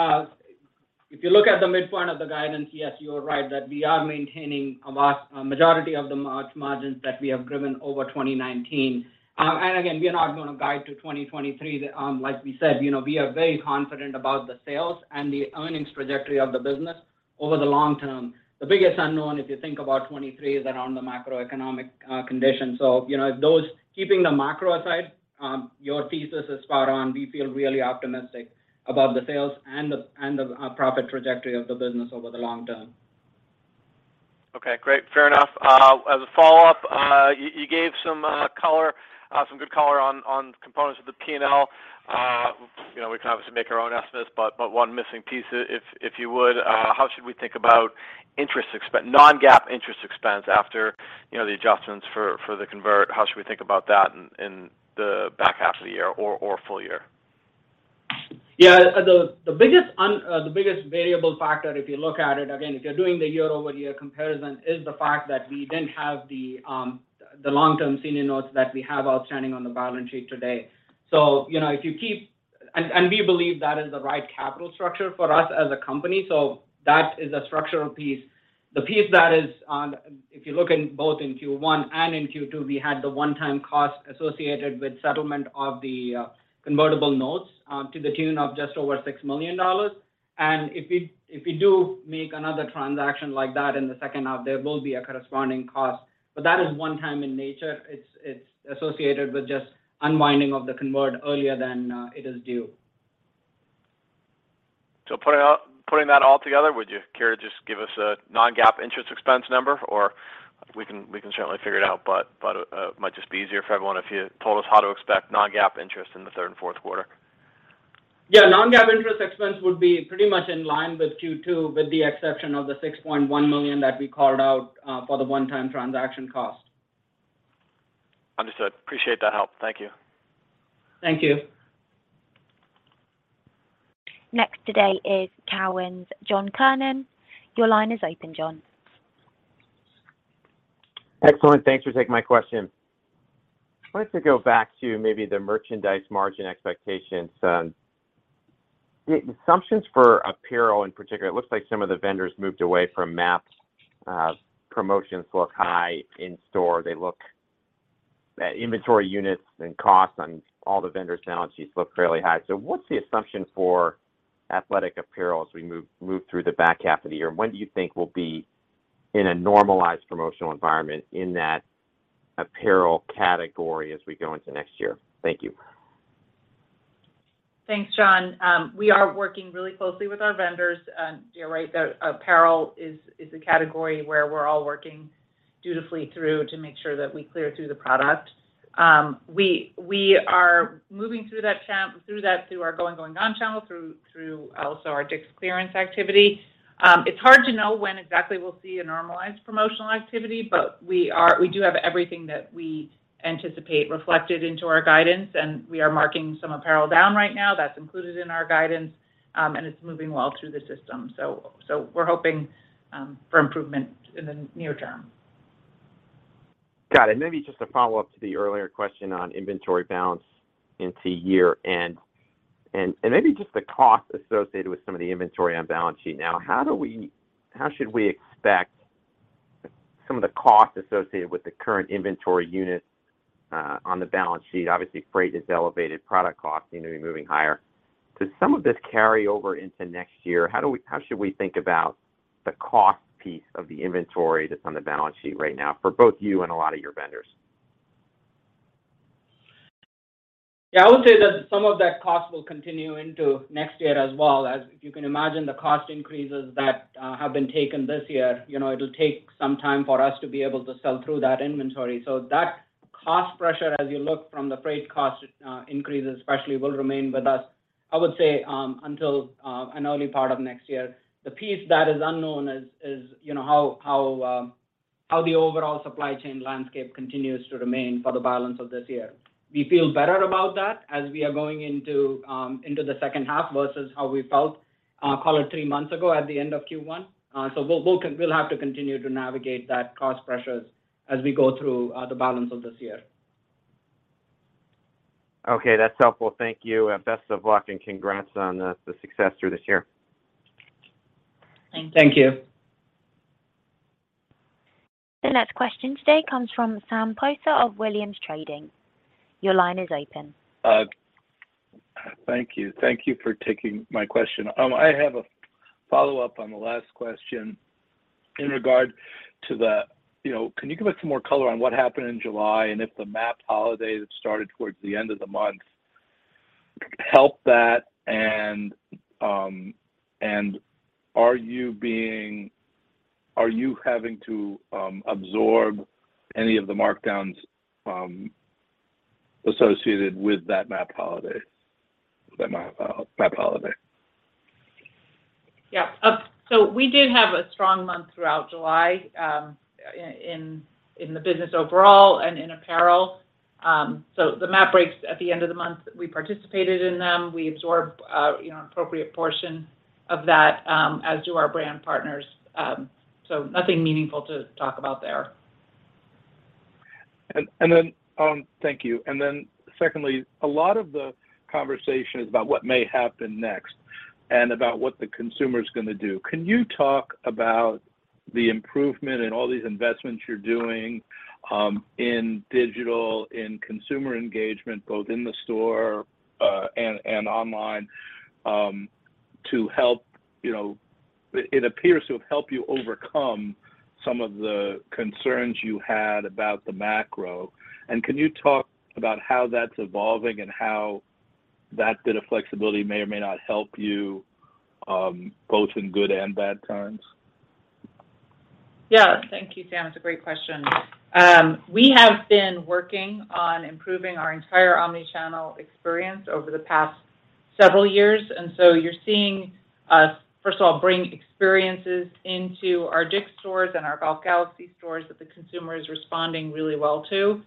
if you look at the midpoint of the guidance, yes, you are right that we are maintaining a vast majority of the margins that we have driven over 2019. Again, we are not gonna guide to 2023. Like we said, you know, we are very confident about the sales and the earnings trajectory of the business over the long term. The biggest unknown, if you think about 2023, is around the macroeconomic conditions. You know, keeping the macro aside, your thesis is spot on. We feel really optimistic about the sales and the profit trajectory of the business over the long term. Okay. Great. Fair enough. As a follow-up, you gave some good color on components of the P&L. You know, we can obviously make our own estimates, but one missing piece, if you would, how should we think about non-GAAP interest expense after, you know, the adjustments for the convert? How should we think about that in the back half of the year or full year? Yeah, the biggest variable factor, if you look at it, again, if you're doing the year-over-year comparison, is the fact that we didn't have the long-term senior notes that we have outstanding on the balance sheet today. We believe that is the right capital structure for us as a company, so that is a structural piece. If you look in both Q1 and Q2, we had the one-time cost associated with settlement of the convertible notes to the tune of just over $6 million. If we do make another transaction like that in the second half, there will be a corresponding cost. That is one time in nature. It's associated with just unwinding of the convert earlier than it is due. Putting that all together, would you care to just give us a non-GAAP interest expense number? Or we can certainly figure it out, but it might just be easier for everyone if you told us how to expect non-GAAP interest in the third and fourth quarter. Yeah. Non-GAAP interest expense would be pretty much in line with Q2, with the exception of the $6.1 million that we called out for the one-time transaction cost. Understood. Appreciate that help. Thank you. Thank you. Next today is TD Cowen's John Kernan. Your line is open, John. Excellent. Thanks for taking my question. I'd like to go back to maybe the merchandise margin expectations. The assumptions for apparel in particular, it looks like some of the vendors moved away from MAP promotions look high in store. Inventory units and costs on all the vendors' balance sheets look fairly high. What's the assumption for athletic apparel as we move through the back half of the year? And when do you think we'll be in a normalized promotional environment in that apparel category as we go into next year? Thank you. Thanks, John. We are working really closely with our vendors. You're right, the Apparel is a category where we're all working dutifully through to make sure that we clear through the product. We are moving through that channel through our Going, Gone! channel, through also our DICK'S clearance activity. It's hard to know when exactly we'll see a normalized promotional activity, but we do have everything that we anticipate reflected into our guidance, and we are marking some apparel down right now. That's included in our guidance, and it's moving well through the system. We're hoping for improvement in the near term. Got it. Maybe just a follow-up to the earlier question on inventory balance into year-end, and maybe just the cost associated with some of the inventory on balance sheet. Now, how should we expect some of the costs associated with the current inventory units on the balance sheet? Obviously, freight is elevated, product costs seem to be moving higher. Does some of this carry over into next year? How should we think about the cost piece of the inventory that's on the balance sheet right now for both you and a lot of your vendors? Yeah. I would say that some of that cost will continue into next year as well. As you can imagine, the cost increases that have been taken this year, you know, it'll take some time for us to be able to sell through that inventory. So that cost pressure, as you look from the freight cost increases especially, will remain with us, I would say, until an early part of next year. The piece that is unknown is, you know, how the overall supply chain landscape continues to remain for the balance of this year. We feel better about that as we are going into the second half versus how we felt, call it three months ago at the end of Q1. We'll have to continue to navigate that cost pressures as we go through the balance of this year. Okay. That's helpful. Thank you. Best of luck, and congrats on the success through this year. Thanks. Thank you. The next question today comes from Sam Poser of Williams Trading. Your line is open. Thank you. Thank you for taking my question. I have a follow-up on the last question in regard to the, you know, can you give us some more color on what happened in July, and if the MAP holiday that started towards the end of the month helped that? Are you having to absorb any of the markdowns associated with that MAP holiday? Yeah. We did have a strong month throughout July, in the business overall and in apparel. The MAP breaks at the end of the month. We participated in them. We absorbed, you know, an appropriate portion of that, as do our brand partners. Nothing meaningful to talk about there. Thank you. Then secondly, a lot of the conversation is about what may happen next and about what the consumer's gonna do. Can you talk about the improvement and all these investments you're doing in digital, in consumer engagement, both in the store and online to help? You know, it appears to have helped you overcome some of the concerns you had about the macro. Can you talk about how that's evolving and how that bit of flexibility may or may not help you both in good and bad times? Yeah. Thank you, Sam. It's a great question. We have been working on improving our entire omni-channel experience over the past several years. You're seeing us, first of all, bring experiences into our DICK'S stores and our Golf Galaxy stores that the consumer is responding really well to.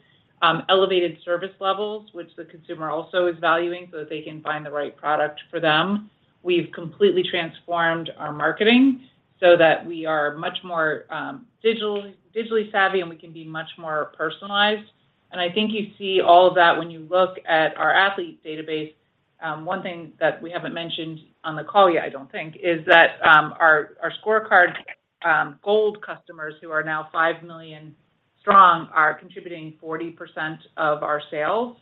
Elevated service levels, which the consumer also is valuing so that they can find the right product for them. We've completely transformed our marketing so that we are much more digitally savvy, and we can be much more personalized. I think you see all of that when you look at our athlete database. One thing that we haven't mentioned on the call yet, I don't think, is that our ScoreCard Gold customers who are now 5 million strong are contributing 40% of our sales.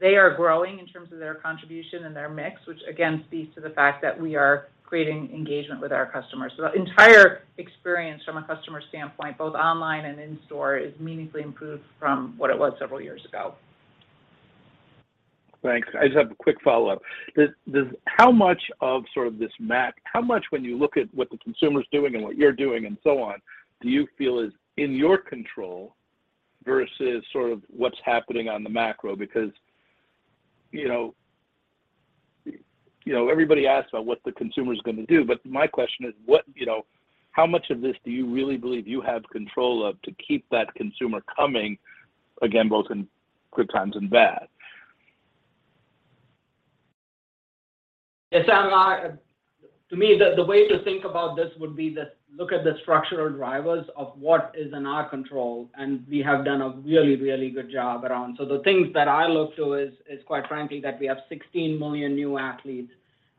They are growing in terms of their contribution and their mix, which again speaks to the fact that we are creating engagement with our customers. The entire experience from a customer standpoint, both online and in-store, is meaningfully improved from what it was several years ago. Thanks. I just have a quick follow-up. How much when you look at what the consumer's doing and what you're doing and so on, do you feel is in your control versus sort of what's happening on the macro? Because, you know, everybody asks about what the consumer's gonna do, but my question is, what you know, how much of this do you really believe you have control of to keep that consumer coming again, both in good times and bad? It's Navdeep. To me, the way to think about this would be to look at the structural drivers of what is in our control, and we have done a really good job around. The things that I look to is, quite frankly, that we have 16 million new athletes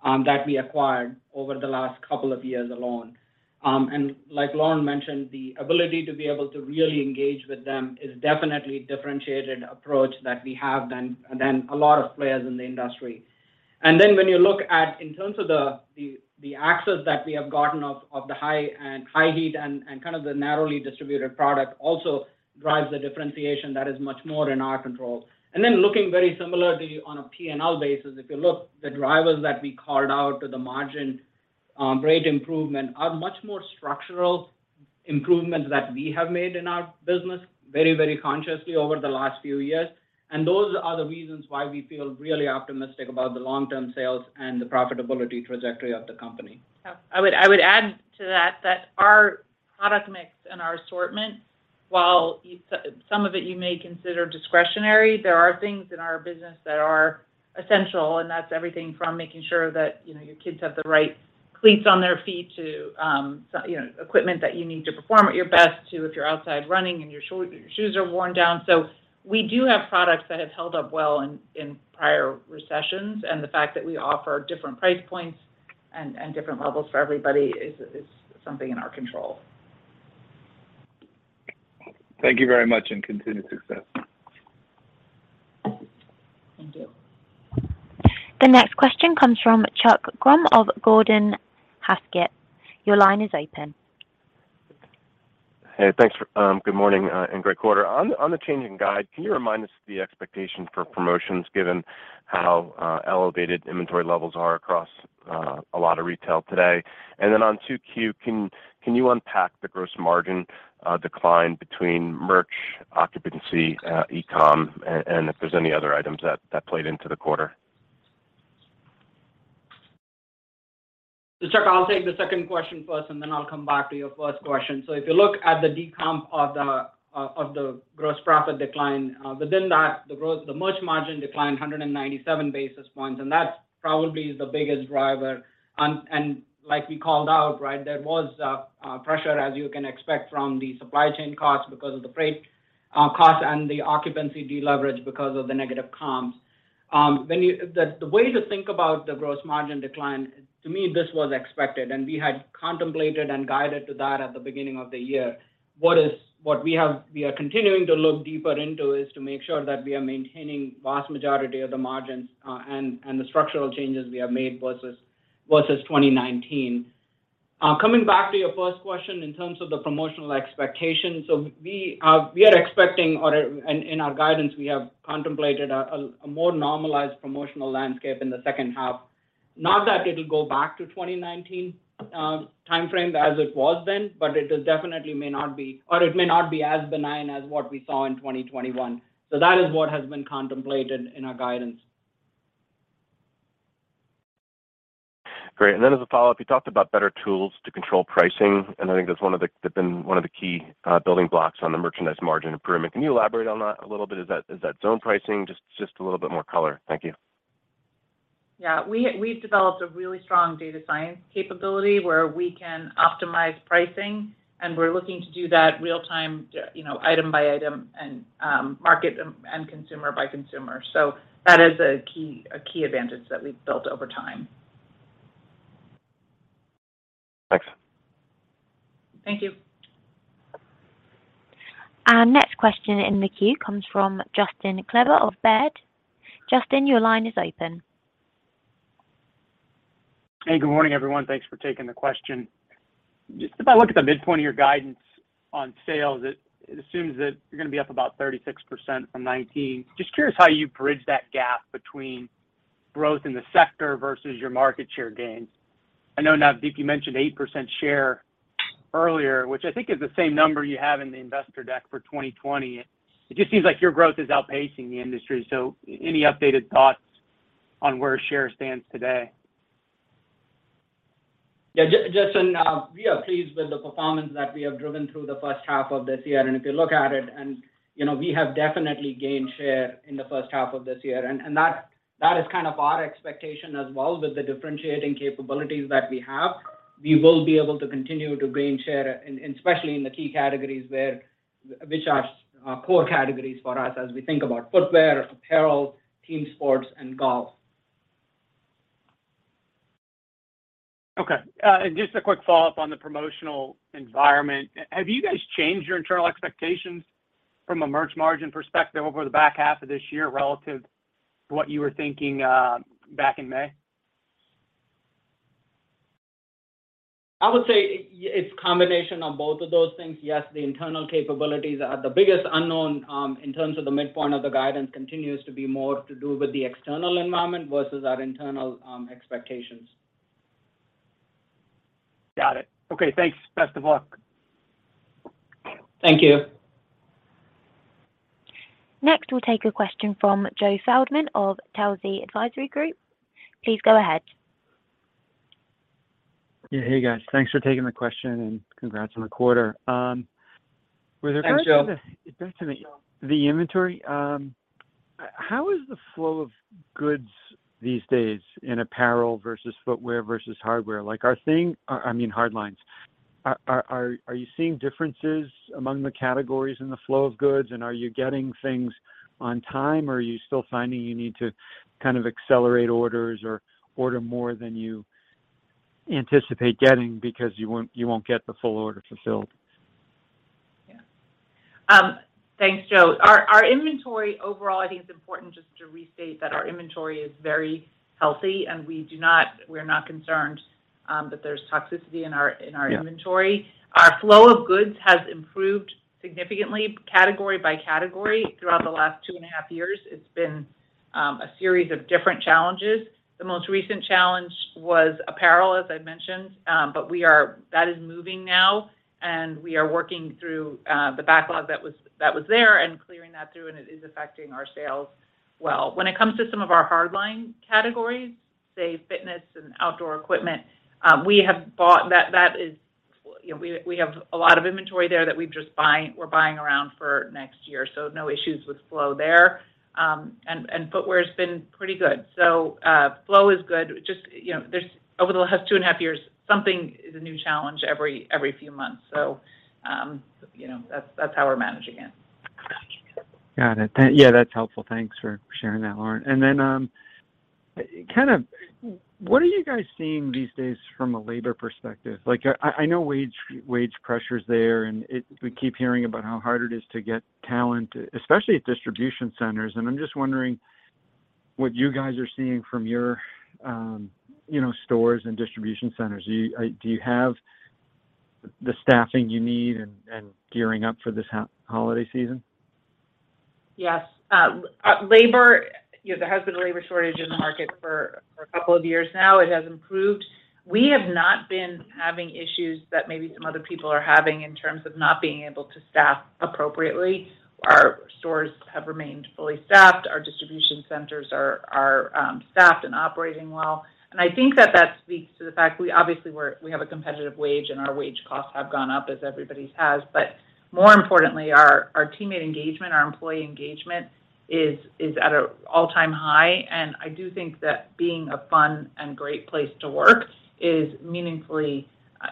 that we acquired over the last couple of years alone. Like Lauren mentioned, the ability to be able to really engage with them is definitely differentiated approach that we have than a lot of players in the industry. When you look at, in terms of the access that we have gotten to the high-end and high-heat and kind of the narrowly distributed product also drives the differentiation that is much more in our control. Looking very similarly on a P&L basis, if you look, the drivers that we called out to the margin rate improvement are much more structural improvements that we have made in our business very, very consciously over the last few years. Those are the reasons why we feel really optimistic about the long-term sales and the profitability trajectory of the company. Yeah. I would add to that that our product mix and our assortment, while some of it you may consider discretionary, there are things in our business that are essential, and that's everything from making sure that, you know, your kids have the right cleats on their feet to you know, equipment that you need to perform at your best to if you're outside running and your shoes are worn down. We do have products that have held up well in prior recessions, and the fact that we offer different price points and different levels for everybody is something in our control. Thank you very much, and continued success. Thank you. The next question comes from Chuck Grom of Gordon Haskett. Your line is open. Good morning, and great quarter. On the changing guide, can you remind us the expectation for promotions given how elevated inventory levels are across a lot of retail today? Then on 2Q, can you unpack the gross margin decline between Merch, Occupancy, E-com, and if there's any other items that played into the quarter? Chuck, I'll take the second question first, and then I'll come back to your first question. If you look at the decomp of the of the gross profit decline, within that, the gross the Merch Margin declined 197 basis points, and that probably is the biggest driver. And like we called out, right, there was pressure as you can expect from the supply chain costs because of the freight costs and the Occupancy deleverage because of the negative comps. The way to think about the gross margin decline, to me, this was expected, and we had contemplated and guided to that at the beginning of the year. What we have we are continuing to look deeper into is to make sure that we are maintaining vast majority of the margins, and the structural changes we have made versus 2019. Coming back to your first question in terms of the promotional expectations, we are expecting or in our guidance, we have contemplated a more normalized promotional landscape in the second half. Not that it'll go back to 2019 timeframe as it was then, but it definitely may not be as benign as what we saw in 2021. That is what has been contemplated in our guidance. Great. Then as a follow-up, you talked about better tools to control pricing, and I think that's one of the key building blocks on the Merchandise Margin improvement. Can you elaborate on that a little bit? Is that zone pricing? Just a little bit more color. Thank you. Yeah. We've developed a really strong data science capability where we can optimize pricing, and we're looking to do that real-time, you know, item by item and market and consumer by consumer. That is a key advantage that we've built over time. Thanks. Thank you. Our next question in the queue comes from Justin Kleber of Baird. Justin, your line is open. Hey, good morning, everyone. Thanks for taking the question. Just if I look at the midpoint of your guidance on sales, it assumes that you're gonna be up about 36% from 2019. Just curious how you bridge that gap between growth in the sector versus your market share gains? I know Navdeep, you mentioned 8% share earlier, which I think is the same number you have in the investor deck for 2020. It just seems like your growth is outpacing the industry. Any updated thoughts on where share stands today? Yeah, Justin, we are pleased with the performance that we have driven through the first half of this year. If you look at it, you know, we have definitely gained share in the first half of this year. That is kind of our expectation as well with the differentiating capabilities that we have. We will be able to continue to gain share in and especially in the key categories where which are core categories for us as we think about footwear, apparel, team sports, and golf. Okay. Just a quick follow-up on the promotional environment. Have you guys changed your internal expectations from a merch margin perspective over the back half of this year relative to what you were thinking back in May? I would say it's a combination of both of those things. Yes, the internal capabilities are the biggest unknown, in terms of the midpoint of the guidance continues to be more to do with the external environment versus our internal, expectations. Got it. Okay, thanks. Best of luck. Thank you. Next, we'll take a question from Joe Feldman of Telsey Advisory Group. Please go ahead. Yeah. Hey, guys. Thanks for taking the question, and congrats on the quarter. Thanks, Joe. Back to the inventory. How is the flow of goods these days in apparel versus footwear versus hardware? Like, I mean, hard lines. Are you seeing differences among the categories in the flow of goods, and are you getting things on time? Or are you still finding you need to kind of accelerate orders or order more than you anticipate getting because you won't get the full order fulfilled? Yeah. Thanks, Joe. Our inventory overall, I think it's important just to restate that our inventory is very healthy, and we're not concerned that there's toxicity in our inventory. Yeah. Our flow of goods has improved significantly category by category throughout the last two and a half years. It's been a series of different challenges. The most recent challenge was apparel, as I mentioned. That is moving now, and we are working through the backlog that was there and clearing that through, and it is affecting our sales well. When it comes to some of our hardline categories, say fitness and outdoor equipment, you know, we have a lot of inventory there that we're buying ahead for next year, so no issues with flow there. Footwear's been pretty good. Flow is good. Just, you know, over the last two and a half years, something is a new challenge every few months. You know, that's how we're managing it. Got it. Yeah, that's helpful. Thanks for sharing that, Lauren. Then, kind of what are you guys seeing these days from a labor perspective? Like I know wage pressure's there, and we keep hearing about how hard it is to get talent, especially at distribution centers, and I'm just wondering what you guys are seeing from your, you know, stores and distribution centers. Do you have the staffing you need and gearing up for this holiday season? Yes. Labor, you know, there has been a labor shortage in the market for a couple of years now. It has improved. We have not been having issues that maybe some other people are having in terms of not being able to staff appropriately. Our stores have remained fully staffed. Our distribution centers are staffed and operating well. I think that speaks to the fact we obviously have a competitive wage, and our wage costs have gone up as everybody's has. But more importantly, our teammate engagement, our employee engagement is at an all-time high, and I do think that being a fun and great place to work is meaningfully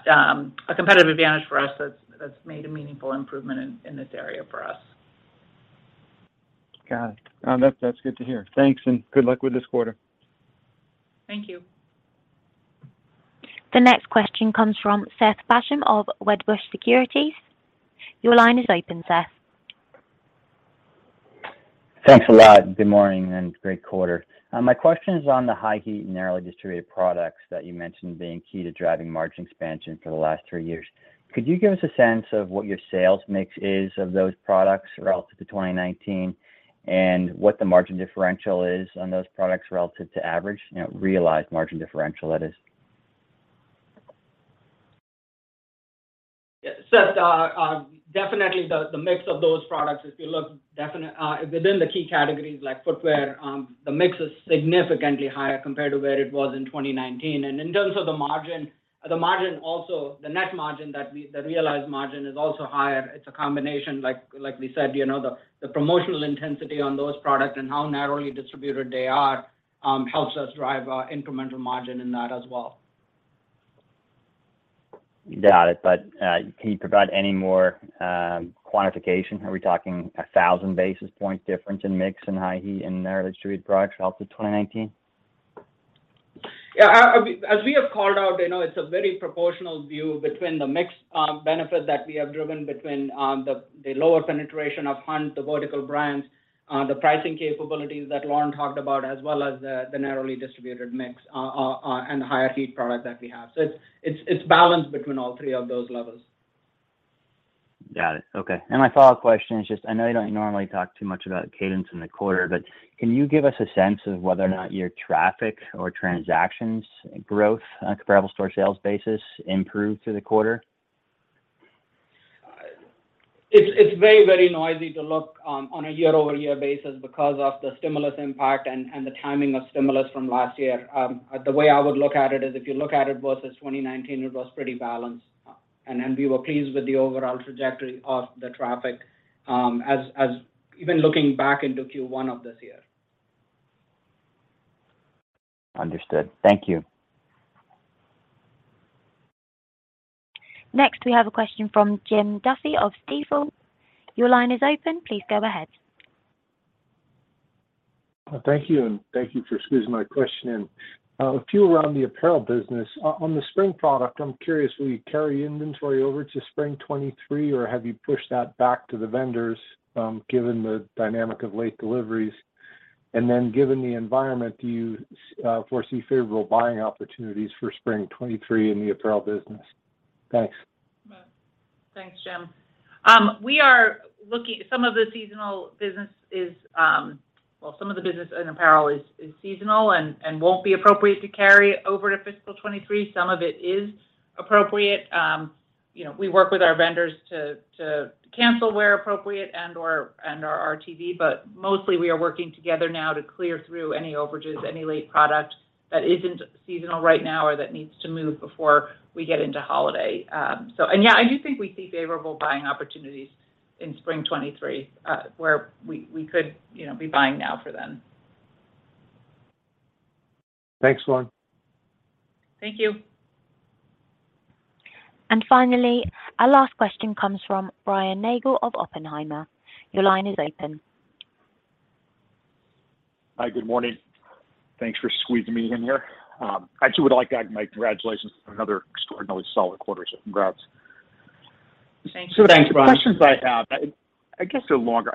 a competitive advantage for us that's made a meaningful improvement in this area for us. Got it. That's good to hear. Thanks and good luck with this quarter. Thank you. The next question comes from Seth Basham of Wedbush Securities. Your line is open, Seth. Thanks a lot. Good morning and great quarter. My question is on the high heat narrowly distributed products that you mentioned being key to driving margin expansion for the last three years. Could you give us a sense of what your sales mix is of those products relative to 2019? And what the margin differential is on those products relative to average? You know, realized margin differential, that is. Yeah. Seth, definitely the mix of those products, if you look within the key categories like footwear, the mix is significantly higher compared to where it was in 2019. In terms of the margin, the realized margin is also higher. It's a combination, like we said, you know, the promotional intensity on those products and how narrowly distributed they are helps us drive incremental margin in that as well. Got it. Can you provide any more quantification? Are we talking a 1,000 basis points difference in mix and high heat in narrowly distributed products relative to 2019? Yeah. As we have called out, you know, it's a very proportional view between the mix benefit that we have driven between the lower penetration of our vertical brands, the pricing capabilities that Lauren talked about, as well as the narrowly distributed mix and the higher-end product that we have. It's balanced between all three of those levers. Got it. Okay. My follow-up question is just, I know you don't normally talk too much about cadence in the quarter, but can you give us a sense of whether or not your traffic or transactions growth on a comparable store sales basis improved through the quarter? It's very noisy to look on a year-over-year basis because of the stimulus impact and the timing of stimulus from last year. The way I would look at it is if you look at it versus 2019, it was pretty balanced. We were pleased with the overall trajectory of the traffic, even looking back into Q1 of this year. Understood. Thank you. Next, we have a question from Jim Duffy of Stifel. Your line is open. Please go ahead. Thank you, and thank you for squeezing my question in. A few around the apparel business. On the spring product, I'm curious, will you carry inventory over to spring 2023, or have you pushed that back to the vendors, given the dynamic of late deliveries? Then given the environment, do you foresee favorable buying opportunities for spring 2023 in the apparel business? Thanks. Thanks, Jim. Some of the seasonal business is. Well, some of the business in apparel is seasonal and won't be appropriate to carry over to fiscal 2023. Some of it is appropriate. You know, we work with our vendors to cancel where appropriate and/or RTV, but mostly we are working together now to clear through any overages, any late product that isn't seasonal right now or that needs to move before we get into holiday. And yeah, I do think we see favorable buying opportunities in spring 2023, where we could, you know, be buying now for then. Thanks, Lauren. Thank you. Finally, our last question comes from Brian Nagel of Oppenheimer. Your line is open. Hi, good morning. Thanks for squeezing me in here. I too would like to add my congratulations on another extraordinarily solid quarter, so congrats. Thank you. Thanks, Brian. The questions I have, I guess they're longer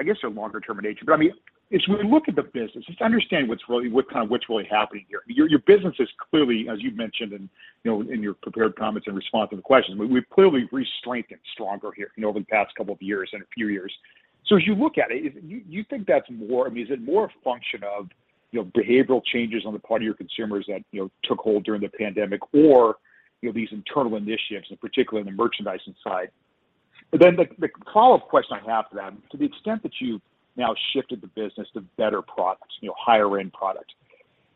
term in nature. I mean, as we look at the business, just to understand what's really happening here. Your business is clearly, as you've mentioned, you know, in your prepared comments in response to the questions, we've clearly gotten stronger here, you know, over the past couple of years and a few years. As you look at it, do you think that's more, I mean, is it more a function of, you know, behavioral changes on the part of your consumers that, you know, took hold during the pandemic, or, you know, these internal initiatives, and particularly in the merchandising side? The follow-up question I have then, to the extent that you've now shifted the business to better products, you know, higher end products,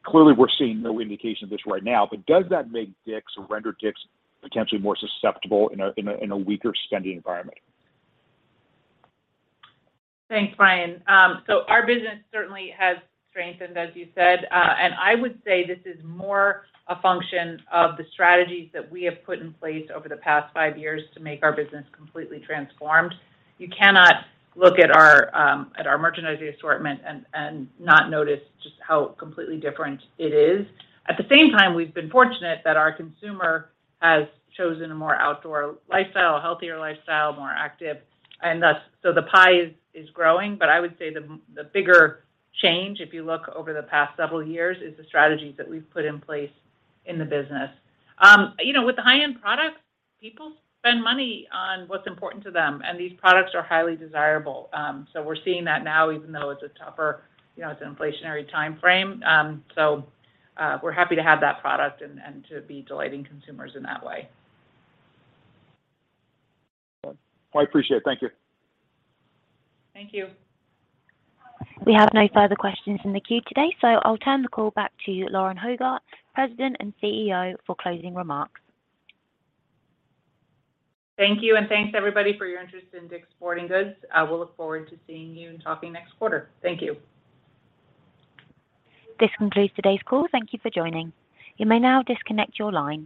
clearly we're seeing no indication of this right now, but does that make DICK'S or render DICK'S potentially more susceptible in a weaker spending environment? Thanks, Brian. Our business certainly has strengthened, as you said. I would say this is more a function of the strategies that we have put in place over the past five years to make our business completely transformed. You cannot look at our merchandising assortment and not notice just how completely different it is. At the same time, we've been fortunate that our consumer has chosen a more outdoor lifestyle, a healthier lifestyle, more active, and the pie is growing. I would say the bigger change, if you look over the past several years, is the strategies that we've put in place in the business. With the high-end products, people spend money on what's important to them, and these products are highly desirable. We're seeing that now, even though it's a tougher, you know, it's an inflationary timeframe. We're happy to have that product and to be delighting consumers in that way. Well, I appreciate it. Thank you. Thank you. We have no further questions in the queue today, so I'll turn the call back to Lauren Hobart, President and CEO, for closing remarks. Thank you, and thanks everybody for your interest in DICK'S Sporting Goods. We'll look forward to seeing you and talking next quarter. Thank you. This concludes today's call. Thank you for joining. You may now disconnect your line.